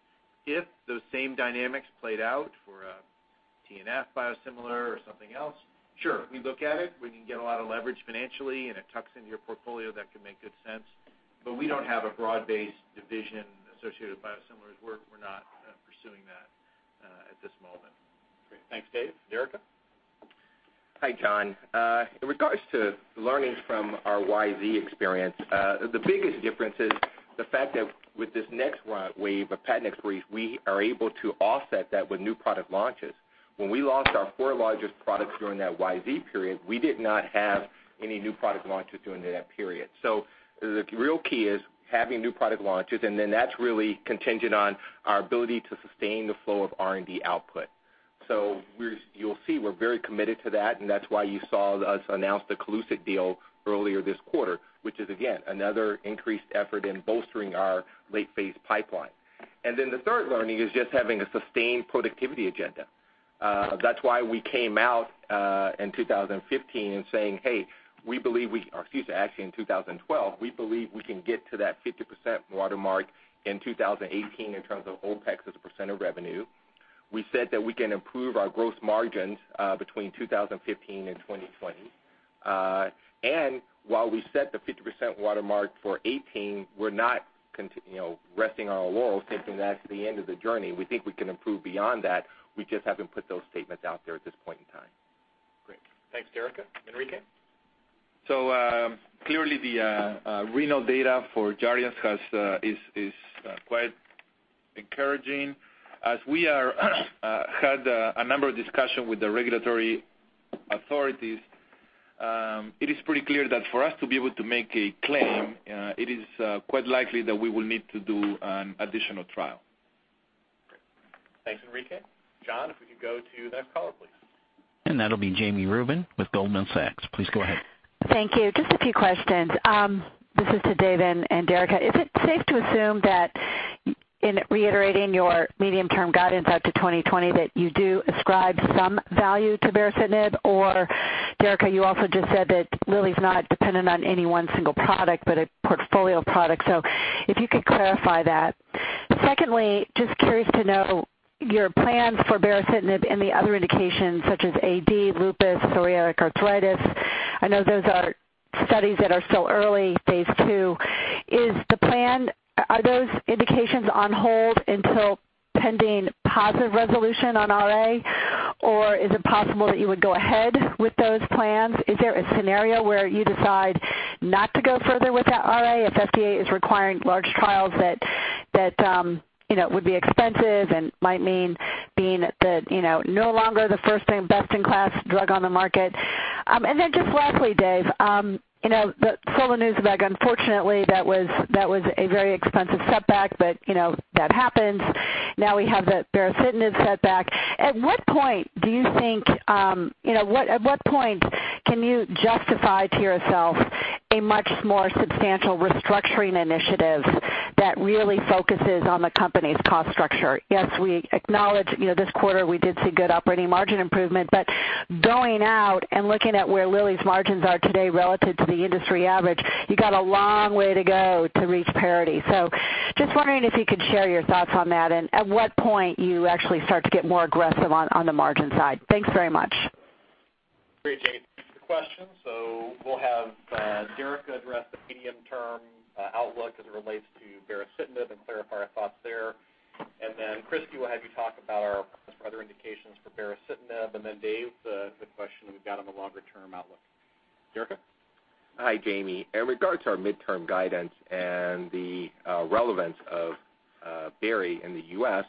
If those same dynamics played out for a TNF biosimilar or something else, sure, we'd look at it. We can get a lot of leverage financially, and it tucks into your portfolio, that could make good sense. We don't have a broad-based division associated with biosimilars. We're not pursuing that at this moment. Great. Thanks, Dave. Derica? Hi, John. In regards to learnings from our YZ experience, the biggest difference is the fact that with this next wave of patent expiries, we are able to offset that with new product launches. When we lost our four largest products during that YZ period, we did not have any new product launches during that period. The real key is having new product launches, and then that's really contingent on our ability to sustain the flow of R&D output. You'll see we're very committed to that, and that's why you saw us announce the CoLucid deal earlier this quarter, which is again, another increased effort in bolstering our late-phase pipeline. The third learning is just having a sustained productivity agenda. That's why we came out in 2015 and saying, "Hey, we believe we" Or excuse me, actually in 2012, "We believe we can get to that 50% watermark in 2018 in terms of OPEX as a percent of revenue." We said that we can improve our gross margins between 2015 and 2020. While we set the 50% watermark for 2018, we're not resting on our laurels thinking that's the end of the journey. We think we can improve beyond that. We just haven't put those statements out there at this point in time. Great. Thanks, Derica. Enrique? Clearly the renal data for JARDIANCE is quite encouraging. As we had a number of discussions with the regulatory authorities, it is pretty clear that for us to be able to make a claim, it is quite likely that we will need to do an additional trial. Great. Thanks, Enrique. John, if we could go to the next caller, please. That'll be Jami Rubin with Goldman Sachs. Please go ahead. Thank you. Just a few questions. This is to Dave and Derek. Is it safe to assume that in reiterating your medium-term guidance out to 2020, that you do ascribe some value to baricitinib? Derek, you also just said that Lilly's not dependent on any one single product, but a portfolio of products. If you could clarify that. Just curious to know your plans for baricitinib and the other indications such as AD, lupus, psoriatic arthritis. I know those are studies that are still early, phase II. Are those indications on hold until pending positive resolution on RA, or is it possible that you would go ahead with those plans? Is there a scenario where you decide not to go further with that RA if FDA is requiring large trials that would be expensive and might mean being no longer the first and best-in-class drug on the market? Just lastly, Dave, solanezumab, unfortunately, that was a very expensive setback, but that happens. Now we have the baricitinib setback. At what point can you justify to yourself a much more substantial restructuring initiative that really focuses on the company's cost structure? We acknowledge this quarter we did see good operating margin improvement, but going out and looking at where Lilly's margins are today relative to the industry average, you got a long way to go to reach parity. Just wondering if you could share your thoughts on that, and at what point you actually start to get more aggressive on the margin side. Thanks very much. Great, Jami. Thanks for the question. We'll have Derek address the medium-term outlook as it relates to baricitinib and clarify our thoughts there. Christi, we'll have you talk about our other indications for baricitinib, Dave, the question that we've got on the longer-term outlook. Derek? Hi, Jami. In regards to our mid-term guidance and the relevance of barri in the U.S.,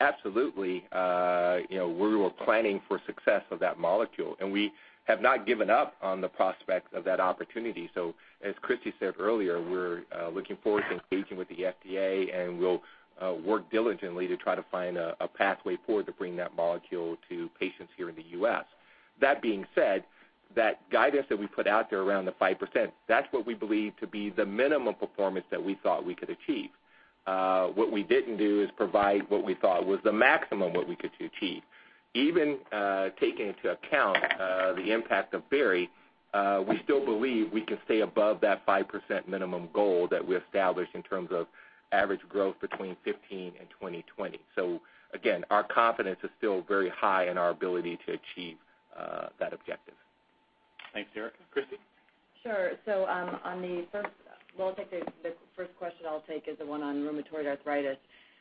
absolutely, we were planning for success of that molecule, and we have not given up on the prospects of that opportunity. As Christi said earlier, we're looking forward to engaging with the FDA, and we'll work diligently to try to find a pathway forward to bring that molecule to patients here in the U.S. That being said, that guidance that we put out there around the 5%, that's what we believe to be the minimum performance that we thought we could achieve. What we didn't do is provide what we thought was the maximum what we could achieve. Even taking into account the impact of barri, we still believe we can stay above that 5% minimum goal that we established in terms of average growth between 2015 and 2020. Again, our confidence is still very high in our ability to achieve that objective. Thanks, Derica. Christi? Sure. I think the first question I'll take is the one on rheumatoid arthritis.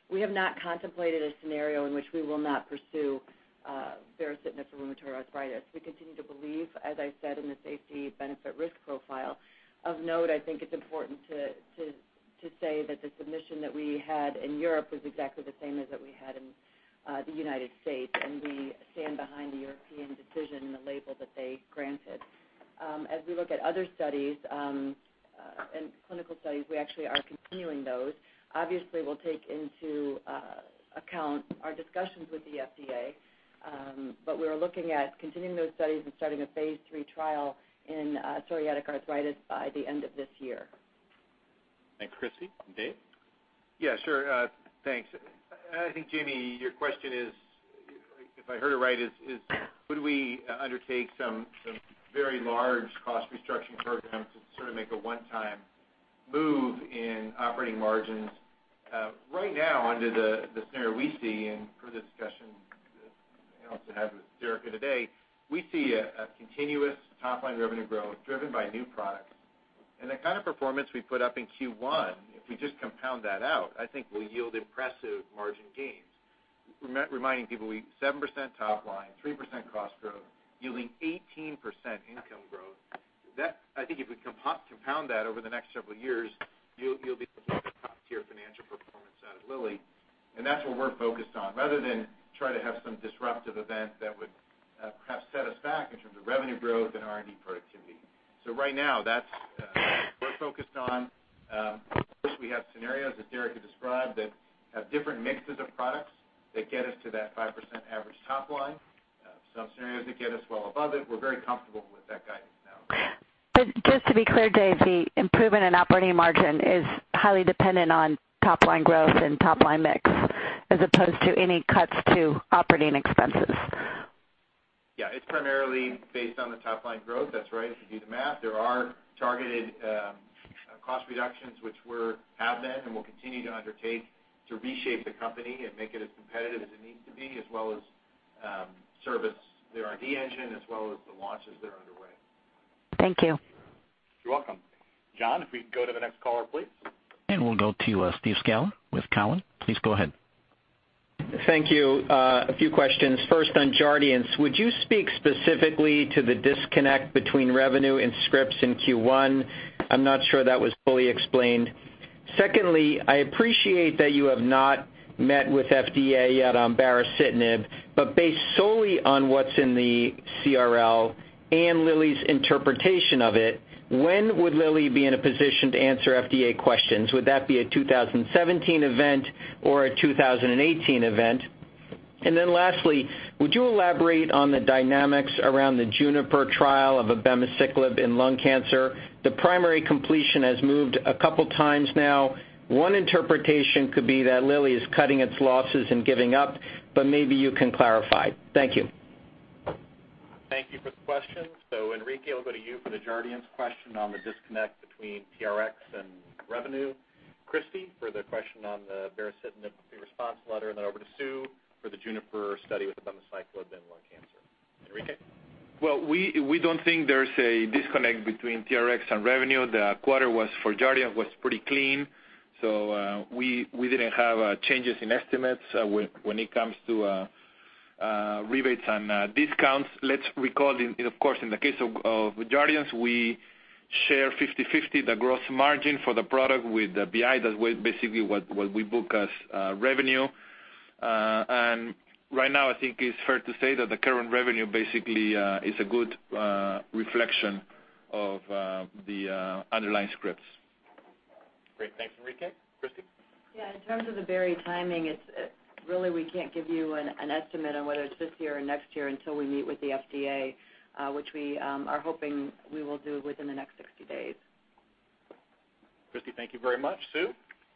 We have not contemplated a scenario in which we will not pursue baricitinib for rheumatoid arthritis. We continue to believe, as I said, in the safety-benefit risk profile. Of note, I think it's important to say that the submission that we had in Europe was exactly the same as that we had in the United States, and we stand behind the European decision and the label that they granted. As we look at other studies, and clinical studies, we actually are continuing those. Obviously, we'll take into account our discussions with the FDA, but we're looking at continuing those studies and starting a phase III trial in psoriatic arthritis by the end of this year. Thanks, Christi. David? Yeah, sure. Thanks. I think Jami, your question is, if I heard it right, is would we undertake some very large cost restructuring program to sort of make a one-time move in operating margins? Right now, under the scenario we see, and per the discussion that I also had with Derica today, we see a continuous top-line revenue growth driven by new products. The kind of performance we put up in Q1, if we just compound that out, I think will yield impressive margin gains. Reminding people, 7% top line, 3% cost growth, yielding 18% income growth. If we compound that over the next several years, you'll be looking at top-tier financial performance out of Lilly, and that's what we're focused on, rather than try to have some disruptive event that would perhaps set us back in terms of revenue growth and R&D productivity. Right now, that's what we're focused on. Of course, we have scenarios, as Derica had described, that have different mixes of products that get us to that 5% average top line. Some scenarios that get us well above it. We're very comfortable with that guidance now. Just to be clear, Dave, the improvement in operating margin is highly dependent on top-line growth and top-line mix as opposed to any cuts to operating expenses. Yeah. It's primarily based on the top-line growth. That's right. If you do the math, there are targeted cost reductions, which we have met and will continue to undertake to reshape the company and make it as competitive as it needs to be, as well as service the R&D engine, as well as the launches that are underway. Thank you. You're welcome. John, if we can go to the next caller, please. We'll go to Steve Scala with Cowen. Please go ahead. Thank you. A few questions. First on Jardiance, would you speak specifically to the disconnect between revenue and scripts in Q1? I'm not sure that was fully explained. Secondly, I appreciate that you have not met with FDA yet on baricitinib, but based solely on what's in the CRL and Lilly's interpretation of it, when would Lilly be in a position to answer FDA questions? Would that be a 2017 event or a 2018 event? Lastly, would you elaborate on the dynamics around the JUNIPER trial of abemaciclib in lung cancer? The primary completion has moved a couple times now. One interpretation could be that Lilly is cutting its losses and giving up, but maybe you can clarify. Thank you. Thank you for the question. Enrique, I'll go to you for the Jardiance question on the disconnect between TRX and revenue. Christi for the question on the baricitinib response letter, over to Susan for the JUNIPER study with abemaciclib in lung cancer. Enrique? We don't think there's a disconnect between TRX and revenue. The quarter for Jardiance was pretty clean, we didn't have changes in estimates when it comes to rebates and discounts. Let's recall, of course, in the case of Jardiance, we share 50/50 the gross margin for the product with BI. That's basically what we book as revenue. Right now, I think it's fair to say that the current revenue basically is a good reflection of the underlying scripts. Great. Thanks, Enrique. Christi? Yeah. In terms of the baricitinib timing, really, we can't give you an estimate on whether it's this year or next year until we meet with the FDA, which we are hoping we will do within the next 60 days. Christi, thank you very much.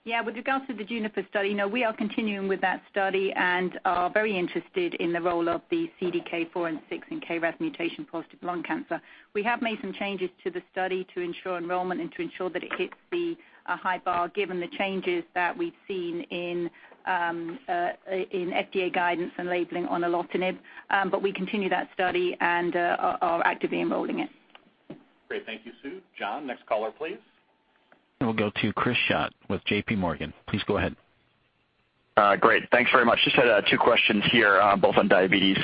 Sue? Yeah, with regards to the JUNIPER study, no, we are continuing with that study and are very interested in the role of the CDK4 and 6 in KRAS mutation positive lung cancer. We have made some changes to the study to ensure enrollment and to ensure that it hits the high bar given the changes that we've seen in FDA guidance and labeling on olaparib, we continue that study and are actively enrolling it. Great. Thank you, Sue. John, next caller, please. We'll go to Chris Schott with J.P. Morgan. Please go ahead. Great. Thanks very much. Just had two questions here, both on diabetes.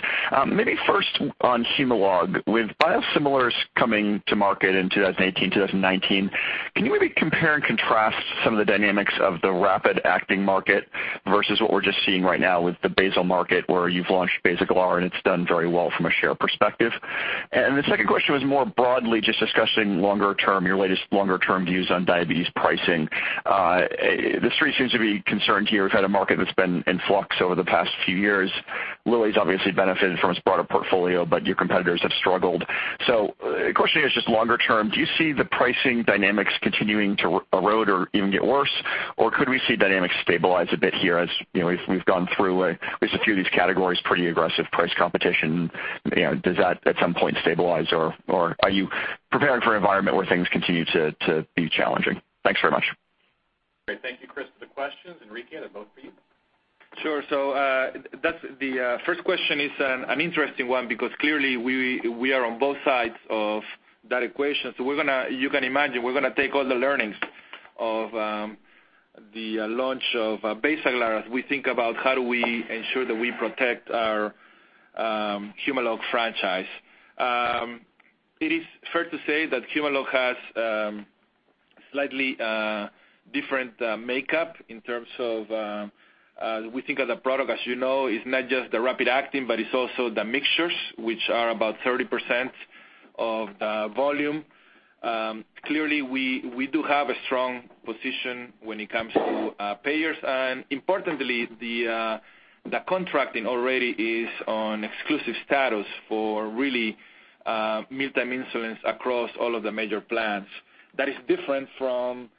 Maybe first on Humalog. With biosimilars coming to market in 2018, 2019, can you maybe compare and contrast some of the dynamics of the rapid-acting market versus what we're just seeing right now with the basal market, where you've launched Basaglar, and it's done very well from a share perspective? The second question was more broadly just discussing your latest longer-term views on diabetes pricing. The Street seems to be concerned here. We've had a market that's been in flux over the past few years. Lilly's obviously benefited from its broader portfolio, but your competitors have struggled. The question is just longer term, do you see the pricing dynamics continuing to erode or even get worse, or could we see dynamics stabilize a bit here as we've gone through at least a few of these categories, pretty aggressive price competition. Does that at some point stabilize or are you preparing for an environment where things continue to be challenging? Thanks very much. Great. Thank you, Chris, for the questions. Enrique, they're both for you. Sure. The first question is an interesting one because clearly we are on both sides of that equation. You can imagine we're going to take all the learnings of the launch of BASAGLAR as we think about how do we ensure that we protect our Humalog franchise. It is fair to say that Humalog has slightly different makeup in terms of we think of the product, as you know, it's not just the rapid-acting, but it's also the mixtures, which are about 30% of the volume. Clearly, we do have a strong position when it comes to payers. Importantly, the contracting already is on exclusive status for really mealtime insulins across all of the major plans. That is different from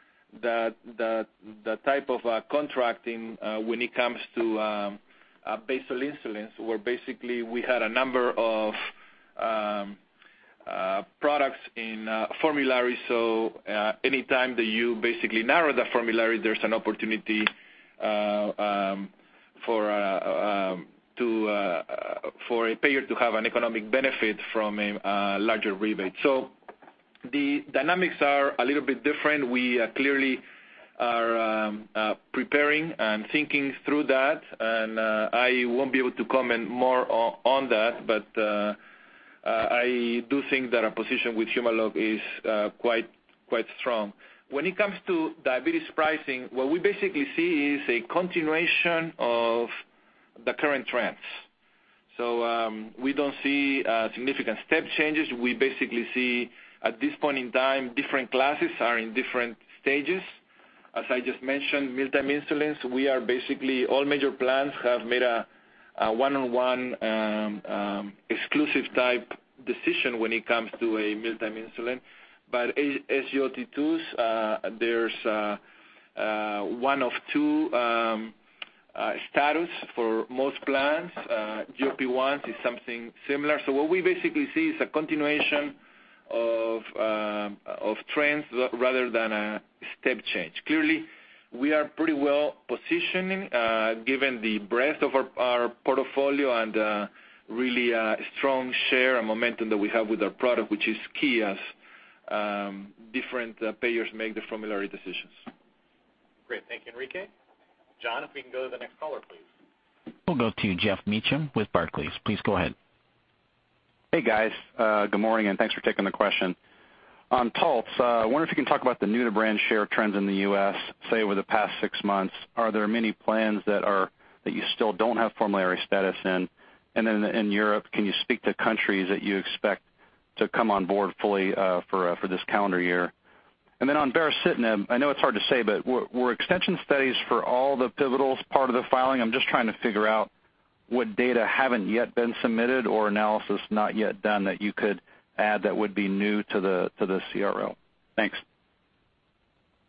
the type of contracting when it comes to basal insulins, where basically we had a number of products in formulary. Anytime that you basically narrow the formulary, there's an opportunity for a payer to have an economic benefit from a larger rebate. The dynamics are a little bit different. We clearly are preparing and thinking through that, and I won't be able to comment more on that. I do think that our position with Humalog is quite strong. When it comes to diabetes pricing, what we basically see is a continuation of the current trends. We don't see significant step changes. We basically see, at this point in time, different classes are in different stages. As I just mentioned, mealtime insulins, all major plans have made a 1-on-1 exclusive type decision when it comes to a mealtime insulin. SGLT2s, there's 1 of 2 status for most plans. GLP-1 is something similar. What we basically see is a continuation of trends rather than a step change. Clearly, we are pretty well positioned given the breadth of our portfolio and really strong share and momentum that we have with our product, which is key as different payers make the formulary decisions. Great. Thank you, Enrique. John, if we can go to the next caller, please. We'll go to Geoff Meacham with Barclays. Please go ahead. Hey, guys. Good morning, and thanks for taking the question. On Taltz, I wonder if you can talk about the new to brand share trends in the U.S., say, over the past six months. Are there many plans that you still don't have formulary status in? In Europe, can you speak to countries that you expect to come on board fully for this calendar year? On baricitinib, I know it's hard to say, but were extension studies for all the pivotals part of the filing? I'm just trying to figure out what data haven't yet been submitted or analysis not yet done that you could add that would be new to the CRL. Thanks.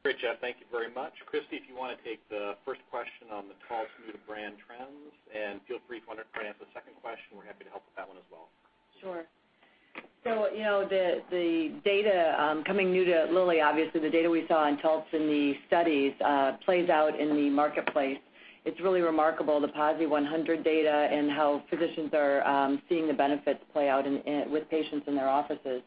Great, Geoff. Thank you very much. Christi, if you want to take the first question on the Taltz new to brand trends, and feel free if you want to answer the second question, we're happy to help with that one as well. Sure. The data coming new to Lilly, obviously the data we saw on Taltz in the studies plays out in the marketplace. It's really remarkable, the PASI 100 data and how physicians are seeing the benefits play out with patients in their offices.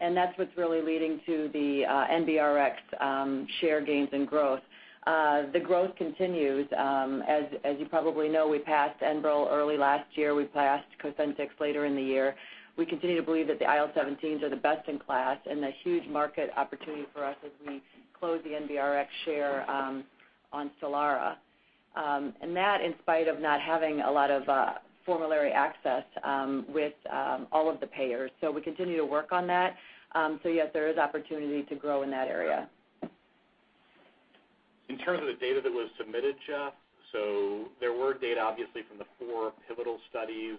That's what's really leading to the NBRx share gains and growth. The growth continues. As you probably know, we passed ENBREL early last year. We passed COSENTYX later in the year. We continue to believe that the IL-17s are the best in class and a huge market opportunity for us as we close the NBRx share on STELARA. That, in spite of not having a lot of formulary access with all of the payers. We continue to work on that. Yes, there is opportunity to grow in that area. In terms of the data that was submitted, Geoff, there were data, obviously, from the four pivotal studies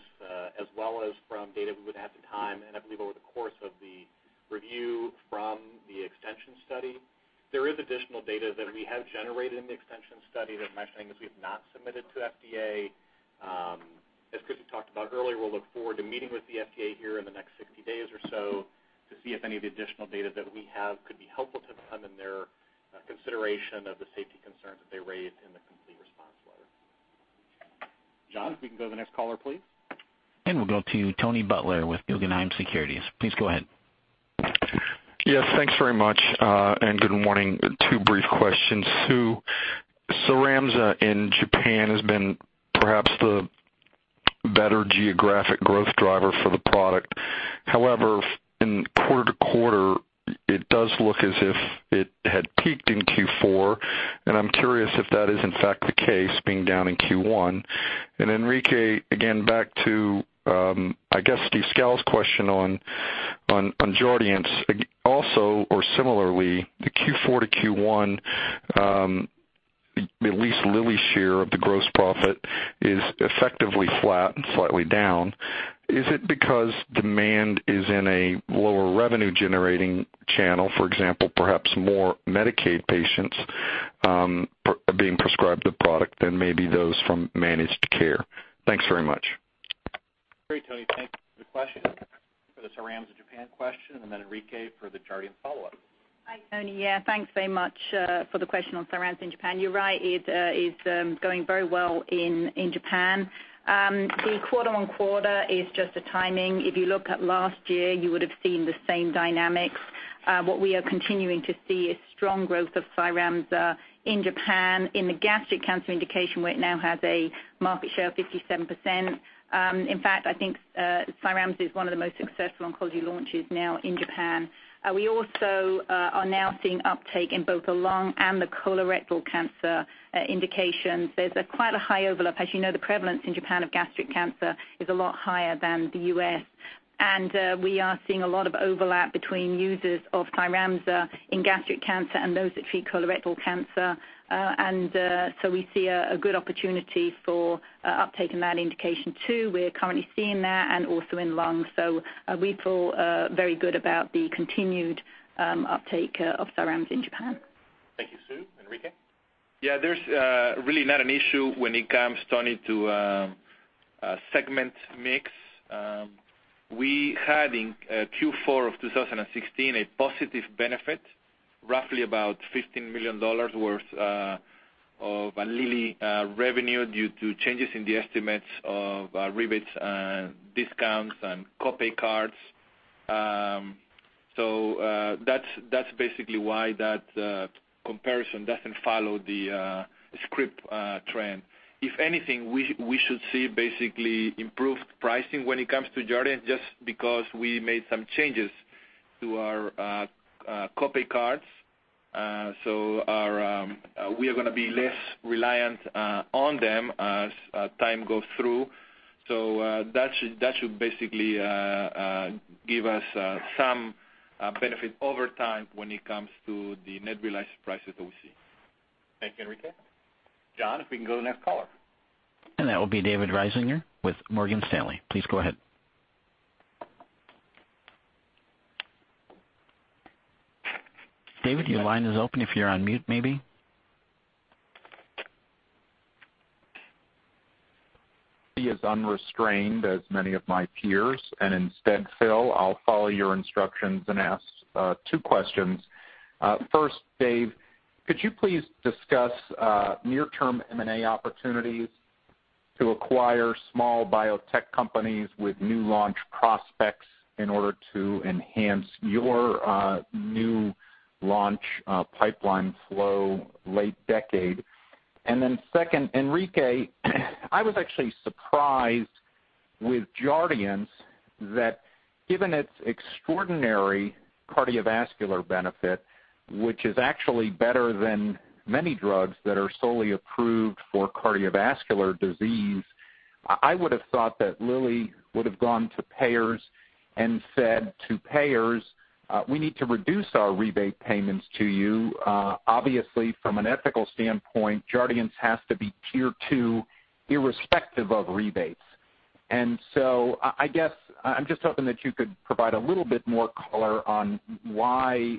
as well as from data we would have at the time, and I believe over the course of the review from the extension study. There is additional data that we have generated in the extension study that I'm mentioning that we have not submitted to FDA. Christi talked about earlier, we'll look forward to meeting with the FDA here in the next 60 days or so to see if any of the additional data that we have could be helpful to them in their consideration of the safety concerns that they raised in the Complete Response Letter. John, if we can go to the next caller, please. We'll go to Tony Butler with Guggenheim Securities. Please go ahead. Yes, thanks very much, and good morning. Two brief questions. Susan, CYRAMZA in Japan has been perhaps the better geographic growth driver for the product. However, in quarter to quarter, it does look as if it had peaked in Q4, and I'm curious if that is, in fact, the case, being down in Q1. Enrique, again, back to, I guess Steve Scala's question on JARDIANCE. Also or similarly, the Q4 to Q1, at least Lilly's share of the gross profit is effectively flat and slightly down. Is it because demand is in a lower revenue-generating channel, for example, perhaps more Medicaid patients are being prescribed the product than maybe those from managed care? Thanks very much. Great, Tony. Thanks for the question. For the CYRAMZA Japan question, and then Enrique for the JARDIANCE follow-up. Hi, Tony. Thanks very much for the question on CYRAMZA in Japan. You're right, it is going very well in Japan. The quarter-on-quarter is just a timing. If you look at last year, you would've seen the same dynamics. What we are continuing to see is strong growth of CYRAMZA in Japan in the gastric cancer indication, where it now has a market share of 57%. In fact, I think CYRAMZA is one of the most successful oncology launches now in Japan. We also are now seeing uptake in both the lung and the colorectal cancer indications. There's quite a high overlap. As you know, the prevalence in Japan of gastric cancer is a lot higher than the U.S. We are seeing a lot of overlap between users of CYRAMZA in gastric cancer and those that treat colorectal cancer. We see a good opportunity for uptake in that indication, too. We're currently seeing that and also in lung. We feel very good about the continued uptake of CYRAMZA in Japan. Thank you, Sue. Enrique? There's really not an issue when it comes, Tony, to segment mix. We had in Q4 of 2016 a positive benefit, roughly about $15 million worth of Lilly revenue due to changes in the estimates of rebates and discounts and co-pay cards. That's basically why that comparison doesn't follow the script trend. If anything, we should see basically improved pricing when it comes to Jardiance just because we made some changes to our co-pay cards. We are gonna be less reliant on them as time goes through. That should basically give us some benefit over time when it comes to the net realized prices that we see. Thank you, Enrique. John, if we can go to the next caller. That will be David Risinger with Morgan Stanley. Please go ahead. David, your line is open if you're on mute, maybe. Be as unrestrained as many of my peers. Instead, Phil, I'll follow your instructions and ask two questions. First, Dave, could you please discuss near-term M&A opportunities to acquire small biotech companies with new launch prospects in order to enhance your new launch pipeline flow late decade? Second, Enrique, I was actually surprised with JARDIANCE that given its extraordinary cardiovascular benefit, which is actually better than many drugs that are solely approved for cardiovascular disease, I would've thought that Lilly would've gone to payers and said to payers, "We need to reduce our rebate payments to you." Obviously, from an ethical standpoint, JARDIANCE has to be Tier 2 irrespective of rebates. I guess I'm just hoping that you could provide a little bit more color on why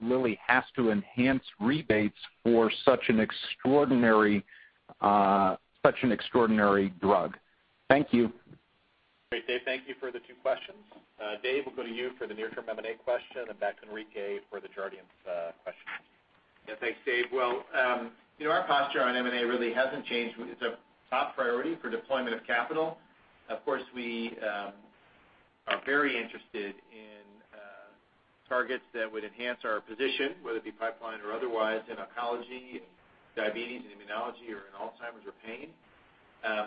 Lilly has to enhance rebates for such an extraordinary drug. Thank you. Great, Dave. Thank you for the two questions. Dave, we'll go to you for the near-term M&A question and back to Enrique for the JARDIANCE question. Yeah, thanks, Dave. Well, our posture on M&A really hasn't changed. It's a top priority for deployment of capital. Of course, we are very interested in targets that would enhance our position, whether it be pipeline or otherwise, in oncology, in diabetes and immunology or in Alzheimer's or pain.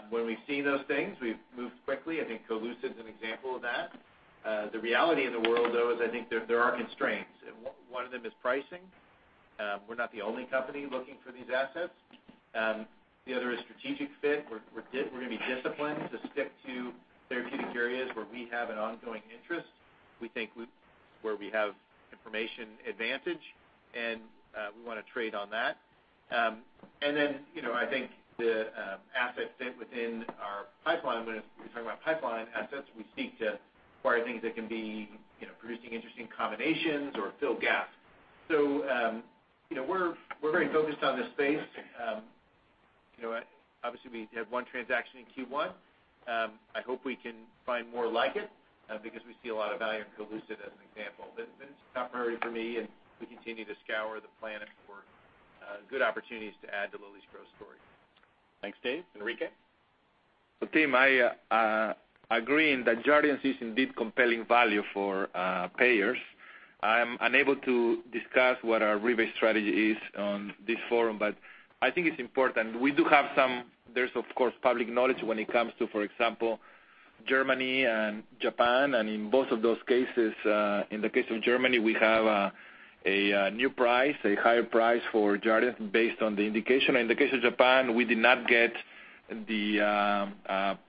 When we see those things, we've moved quickly. I think CoLucid is an example of that. The reality in the world, though, is I think there are constraints. One of them is pricing. We're not the only company looking for these assets. The other is strategic fit. We're gonna be disciplined to stick to therapeutic areas where we have an ongoing interest. We think where we have information advantage, and we wanna trade on that. I think the asset fit within our pipeline. When we're talking about pipeline assets, we seek to acquire things that can be producing interesting combinations or fill gaps. We're very focused on this space. Obviously, we have one transaction in Q1 Hope we can find more like it, because we see a lot of value in CoLucid as an example. It's top priority for me, and we continue to scour the planet for good opportunities to add to Lilly's growth story. Thanks, Dave. Enrique? Tim, I agree that Jardiance is indeed compelling value for payers. I'm unable to discuss what our rebate strategy is on this forum. I think it's important. There's, of course, public knowledge when it comes to, for example, Germany and Japan. In both of those cases, in the case of Germany, we have a new price, a higher price for Jardiance based on the indication. In the case of Japan, we did not get the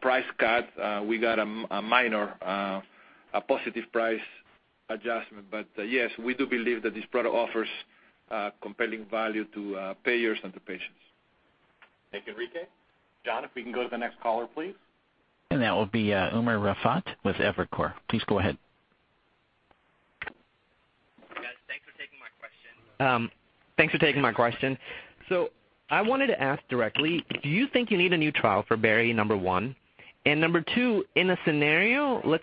price cut. We got a minor positive price adjustment. Yes, we do believe that this product offers compelling value to payers and to patients. Thank you, Enrique. John, if we can go to the next caller, please. That will be Umer Raffat with Evercore. Please go ahead. Guys, thanks for taking my question. I wanted to ask directly, do you think you need a new trial for baricitinib, number 1? And number 2, let's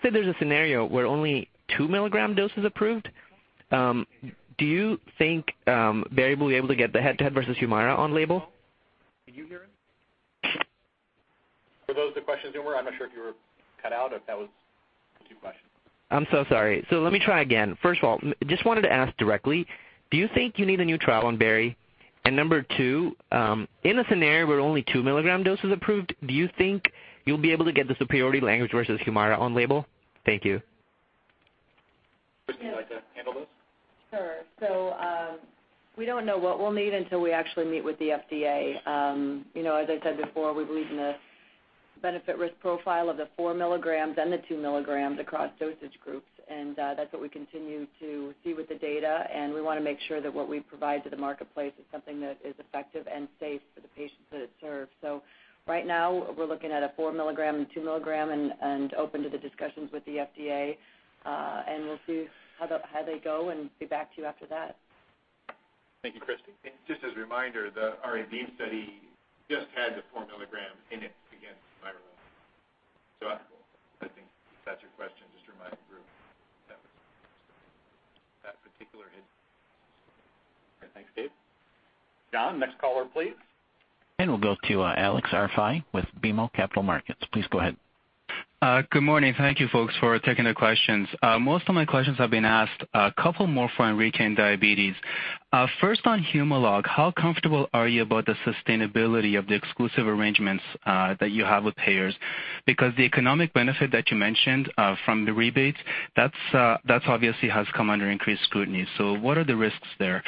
say there's a scenario where only two-milligram dose is approved. Do you think baricitinib will be able to get the head-to-head versus Humira on label? For those two questions, Umer, I'm not sure if you were cut out, if that was two questions. I'm so sorry. Let me try again. First of all, just wanted to ask directly, do you think you need a new trial on baricitinib? In a scenario where only 2-milligram dose is approved, do you think you'll be able to get the superiority language versus HUMIRA on label? Thank you. Christi, would you like to handle this? Sure. We don't know what we'll need until we actually meet with the FDA. As I said before, we believe in the benefit risk profile of the 4 milligrams and the 2 milligrams across dosage groups. That's what we continue to see with the data, and we want to make sure that what we provide to the marketplace is something that is effective and safe for the patients that it serves. Right now, we're looking at a 4 milligram and 2 milligram and open to the discussions with the FDA. We'll see how they go and be back to you after that. Thank you, Christi. Just as a reminder, the R&D study just had the four milligram in it against viral. I think if that's your question, just remind the group that was that particular head. Okay, thanks, Dave. John, next caller, please. We'll go to Alex Arpaia with BMO Capital Markets. Please go ahead. Good morning. Thank you, folks, for taking the questions. Most of my questions have been asked, a couple more for Enrique and diabetes. First on Humalog, how comfortable are you about the sustainability of the exclusive arrangements that you have with payers? The economic benefit that you mentioned from the rebates, that obviously has come under increased scrutiny. What are the risks there?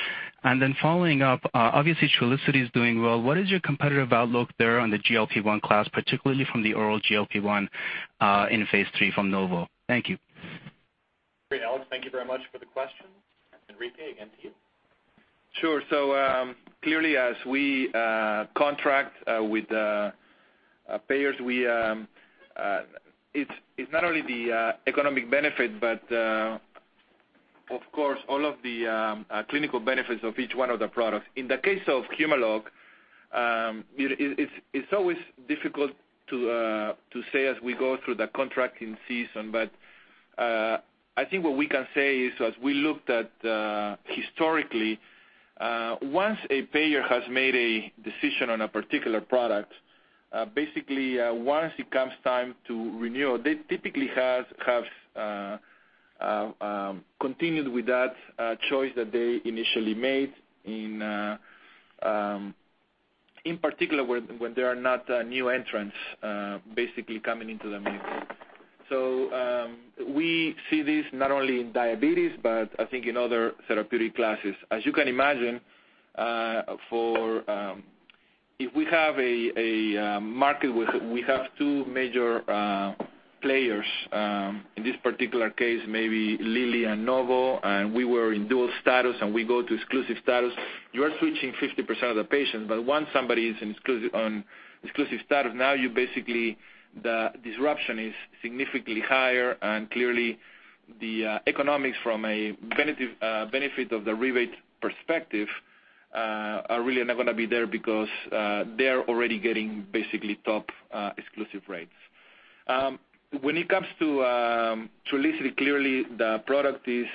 Following up, obviously Trulicity is doing well. What is your competitive outlook there on the GLP-1 class, particularly from the oral GLP-1 in phase III from Novo? Thank you. Great, Alex. Thank you very much for the question. Enrique, again to you. Sure. Clearly as we contract with payers, it's not only the economic benefit, but of course, all of the clinical benefits of each one of the products. In the case of Humalog, it's always difficult to say as we go through the contracting season, but I think what we can say is as we looked at historically, once a payer has made a decision on a particular product, basically, once it comes time to renew, they typically have continued with that choice that they initially made in particular when there are not new entrants basically coming into the marketplace. We see this not only in diabetes, but I think in other therapeutic classes. As you can imagine, if we have a market with two major players, in this particular case, maybe Lilly and Novo, and we were in dual status and we go to exclusive status, you are switching 50% of the patients. Once somebody is on exclusive status, now basically the disruption is significantly higher, and clearly the economics from a benefit of the rebate perspective are really not gonna be there because they're already getting basically top exclusive rates. When it comes to Trulicity, clearly the product is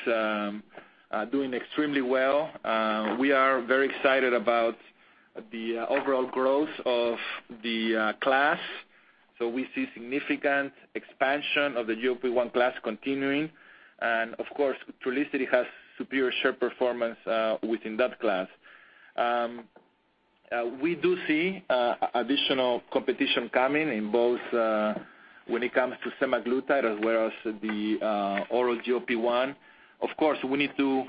doing extremely well. We are very excited about the overall growth of the class. We see significant expansion of the GLP-1 class continuing. Of course, Trulicity has superior share performance within that class. We do see additional competition coming in both when it comes to semaglutide as well as the oral GLP-1. Of course, we need to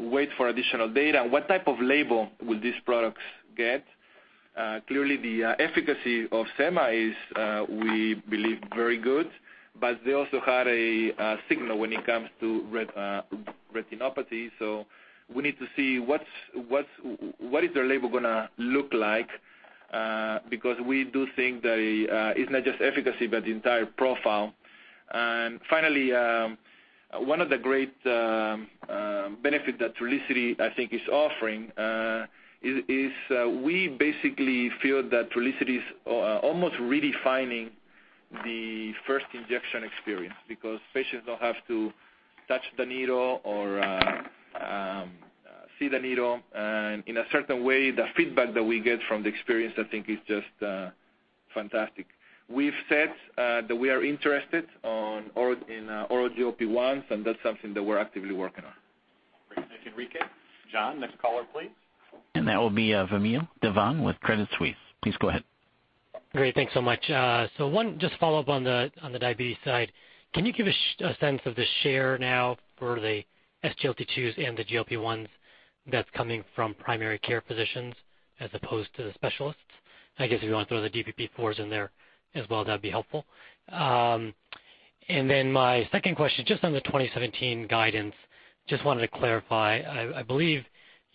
wait for additional data. What type of label will these products get? Clearly the efficacy of sema is, we believe, very good, but they also had a signal when it comes to retinopathy. We need to see what is their label gonna look like, because we do think that it's not just efficacy, but the entire profile. One of the great benefit that Trulicity, I think is offering, is we basically feel that Trulicity is almost redefining the first injection experience because patients don't have to touch the needle or see the needle. In a certain way, the feedback that we get from the experience, I think is just fantastic. We've said that we are interested in oral GLP-1s and that's something that we're actively working on. Great. Thanks, Enrique. John, next caller, please. That will be Vamil Divan with Credit Suisse. Please go ahead. Great. Thanks so much. One, just follow up on the diabetes side. Can you give a sense of the share now for the SGLT2s and the GLP-1s that's coming from primary care physicians as opposed to the specialists? I guess if you want to throw the DPP-4s in there as well, that'd be helpful. My second question, just on the 2017 guidance, just wanted to clarify. I believe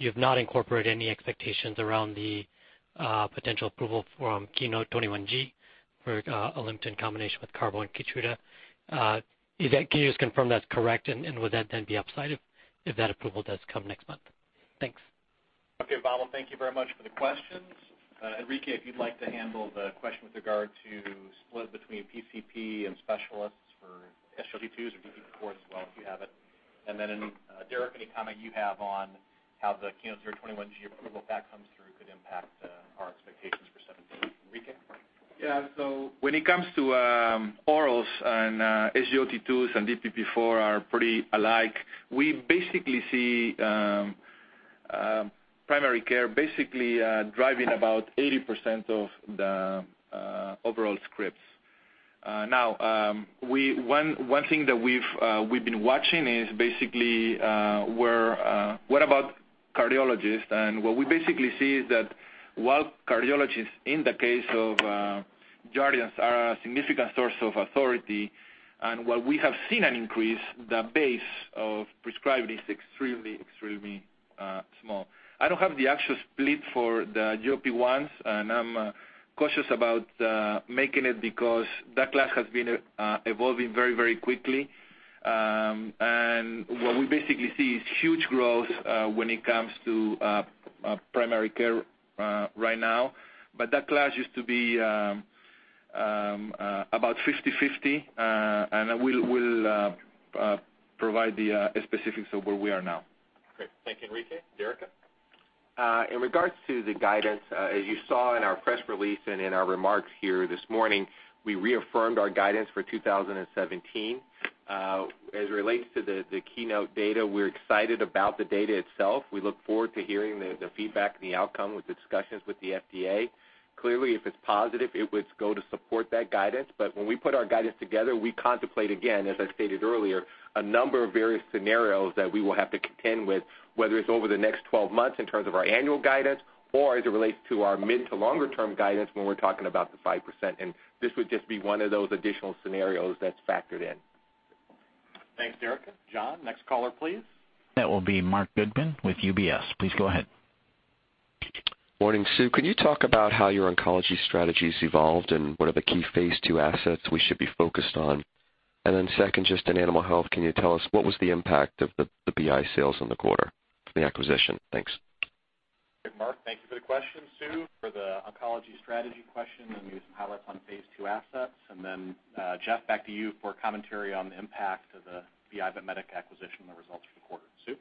you've not incorporated any expectations around the potential approval from KEYNOTE-021G for ALIMTA in combination with carboplatin and KEYTRUDA. Can you just confirm that's correct and would that then be upside if that approval does come next month? Thanks. Okay, Vamil, thank you very much for the questions. Enrique, if you'd like to handle the question with regard to split between PCP and specialists for SGLT2s or DPP-4s as well, if you have it. Then, Derica, any comment you have on how the KEYNOTE-021G approval, if that comes through, could impact our expectations for 2017. Enrique? Yeah. When it comes to orals and SGLT2s and DPP-4 are pretty alike, we basically see primary care basically driving about 80% of the overall scripts. Now, one thing that we've been watching is basically, what about cardiologists? What we basically see is that while cardiologists, in the case of JARDIANCE, are a significant source of authority, and while we have seen an increase, the base of prescribe is extremely small. I don't have the actual split for the GLP-1s, and I'm cautious about making it because that class has been evolving very quickly. What we basically see is huge growth when it comes to primary care right now. That class used to be about 50/50, and we'll provide the specifics of where we are now. Great. Thank you, Enrique. Derek? In regards to the guidance, as you saw in our press release and in our remarks here this morning, we reaffirmed our guidance for 2017. As it relates to the KEYNOTE data, we're excited about the data itself. We look forward to hearing the feedback and the outcome with the discussions with the FDA. Clearly, if it's positive, it would go to support that guidance. When we put our guidance together, we contemplate, again, as I stated earlier, a number of various scenarios that we will have to contend with, whether it's over the next 12 months in terms of our annual guidance or as it relates to our mid to longer term guidance when we're talking about the 5%. This would just be one of those additional scenarios that's factored in. Thanks, Derek. John, next caller, please. That will be Marc Goodman with UBS. Please go ahead. Morning, Sue. Can you talk about how your oncology strategy's evolved and what are the key phase II assets we should be focused on? Second, just in animal health, can you tell us what was the impact of the BI sales in the quarter for the acquisition? Thanks. Marc, thank you for the question. Sue, for the oncology strategy question, can you give us some color on phase II assets. Jeff, back to you for commentary on the impact of the BI Vetmedica acquisition and the results for the quarter. Sue?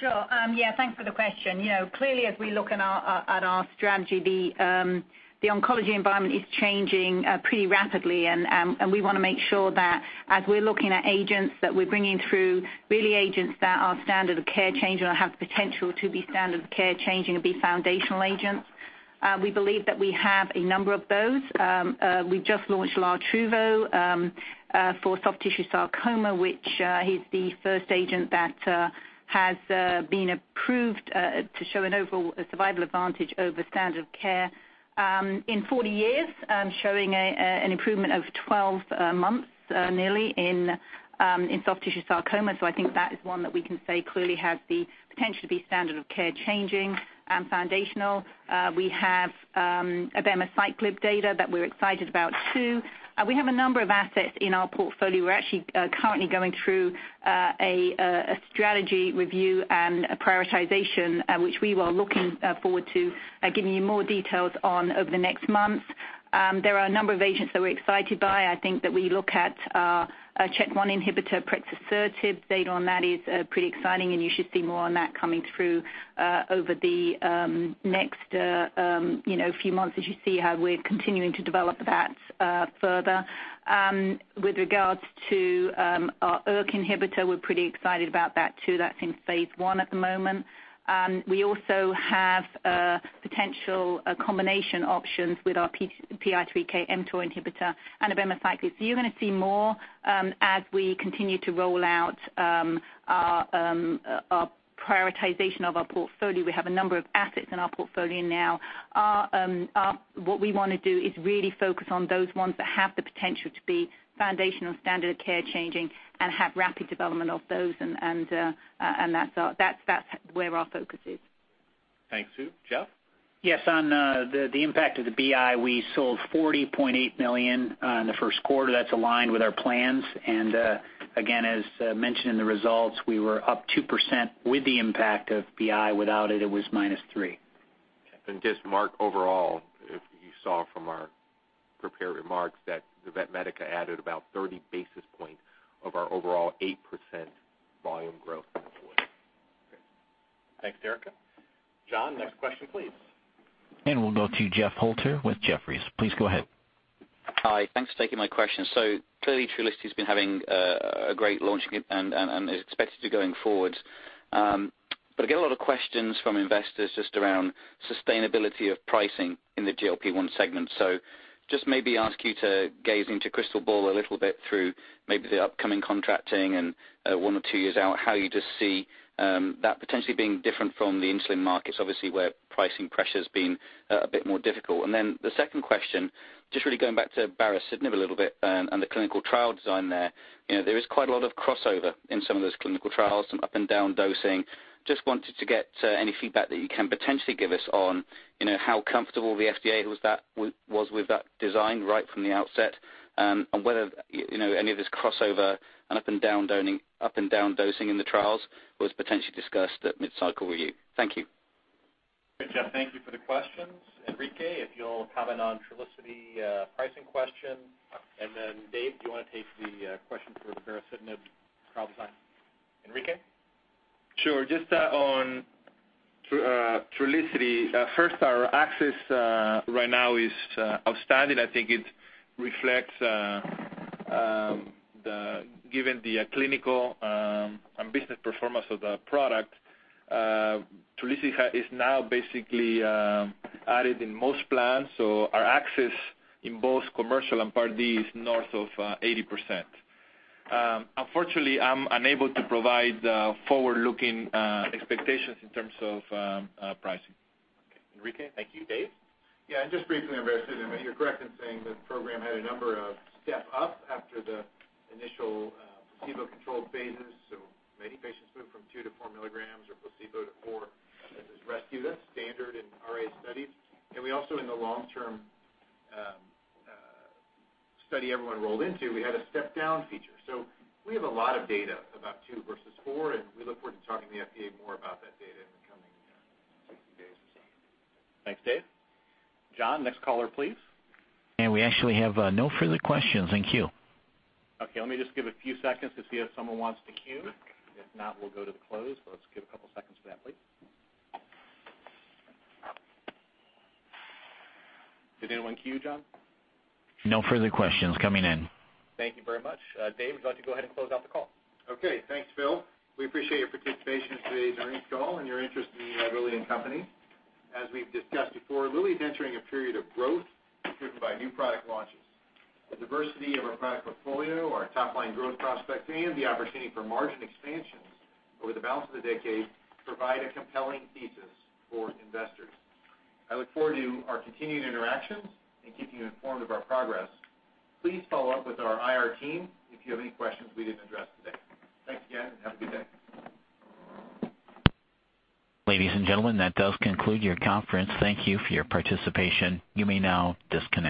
Sure. Thanks for the question. Clearly, as we look at our strategy, the oncology environment is changing pretty rapidly, and we want to make sure that as we're looking at agents that we're bringing through really agents that are standard of care change and have the potential to be standard of care changing and be foundational agents. We believe that we have a number of those. We've just launched Lartruvo for soft tissue sarcoma, which is the first agent that has been approved to show an overall survival advantage over standard of care in 40 years, showing an improvement of 12 months nearly in soft tissue sarcoma. I think that is one that we can say clearly has the potential to be standard of care changing and foundational. We have abemaciclib data that we're excited about, too. We have a number of assets in our portfolio. We're actually currently going through a strategy review and prioritization, which we are looking forward to giving you more details on over the next months. There are a number of agents that we're excited by. I think that we look at our Chk1 inhibitor, prexasertib. Data on that is pretty exciting, and you should see more on that coming through over the next few months as you see how we're continuing to develop that further. With regards to our ERK inhibitor, we're pretty excited about that, too. That's in phase I at the moment. We also have potential combination options with our PI3K mTOR inhibitor and abemaciclib. You're going to see more as we continue to roll out our prioritization of our portfolio. We have a number of assets in our portfolio now. What we want to do is really focus on those ones that have the potential to be foundational standard of care changing and have rapid development of those, that's where our focus is. Thanks, Sue. Jeff? Yes. On the impact of the BI, we sold $40.8 million in the first quarter. That's aligned with our plans, again, as mentioned in the results, we were up 2% with the impact of BI. Without it was minus 3%. Just Marc overall, if you saw from our prepared remarks that the Vetmedica added about 30 basis points of our overall 8% volume growth in the quarter. Great. Thanks, Derica. John, next question, please. We'll go to Geoff Meacham with Jefferies. Please go ahead. Hi. Thanks for taking my question. Clearly, Trulicity's been having a great launch and is expected to going forward. I get a lot of questions from investors just around sustainability of pricing in the GLP-1 segment. Just maybe ask you to gaze into a crystal ball a little bit through maybe the upcoming contracting and one or two years out, how you just see that potentially being different from the insulin markets, obviously, where pricing pressure's been a bit more difficult. The second question, just really going back to baricitinib a little bit and the clinical trial design there. There is quite a lot of crossover in some of those clinical trials, some up and down dosing. Just wanted to get any feedback that you can potentially give us on how comfortable the FDA was with that design right from the outset, and whether any of this crossover and up and down dosing in the trials was potentially discussed at mid-cycle review. Thank you. Great, Geoff. Thank you for the questions. Enrique, if you'll comment on Trulicity pricing question. Dave, do you want to take the question for the baricitinib trial design? Enrique? Sure. Just on Trulicity, first, our access right now is outstanding. I think it reflects, given the clinical and business performance of the product, Trulicity is now basically added in most plans. Our access in both commercial and Part D is north of 80%. Unfortunately, I'm unable to provide forward-looking expectations in terms of pricing. Okay, Enrique. Thank you. Dave? Just briefly on baricitinib, you're correct in saying the program had a number of step up after the initial placebo-controlled phases. Many patients moved from two to four milligrams or placebo to four as rescue. That's standard in RA studies. We also, in the long-term study everyone rolled into, we had a step-down feature. We have a lot of data about two versus four, and we look forward to talking to the FDA more about that data in the coming 60 days or so. Thanks, Dave. John, next caller, please. We actually have no further questions in queue. Okay, let me just give a few seconds to see if someone wants to queue. If not, we'll go to the close. Let's give a couple of seconds for that, please. Did anyone queue, John? No further questions coming in. Thank you very much. Dave, why don't you go ahead and close out the call. Okay. Thanks, Phil. We appreciate your participation in today's earnings call and your interest in Eli Lilly and Company. As we've discussed before, Lilly is entering a period of growth driven by new product launches. The diversity of our product portfolio, our top-line growth prospects, and the opportunity for margin expansions over the balance of the decade provide a compelling thesis for investors. I look forward to our continued interactions and keeping you informed of our progress. Please follow up with our IR team if you have any questions we didn't address today. Thanks again, and have a good day. Ladies and gentlemen, that does conclude your conference. Thank you for your participation. You may now disconnect.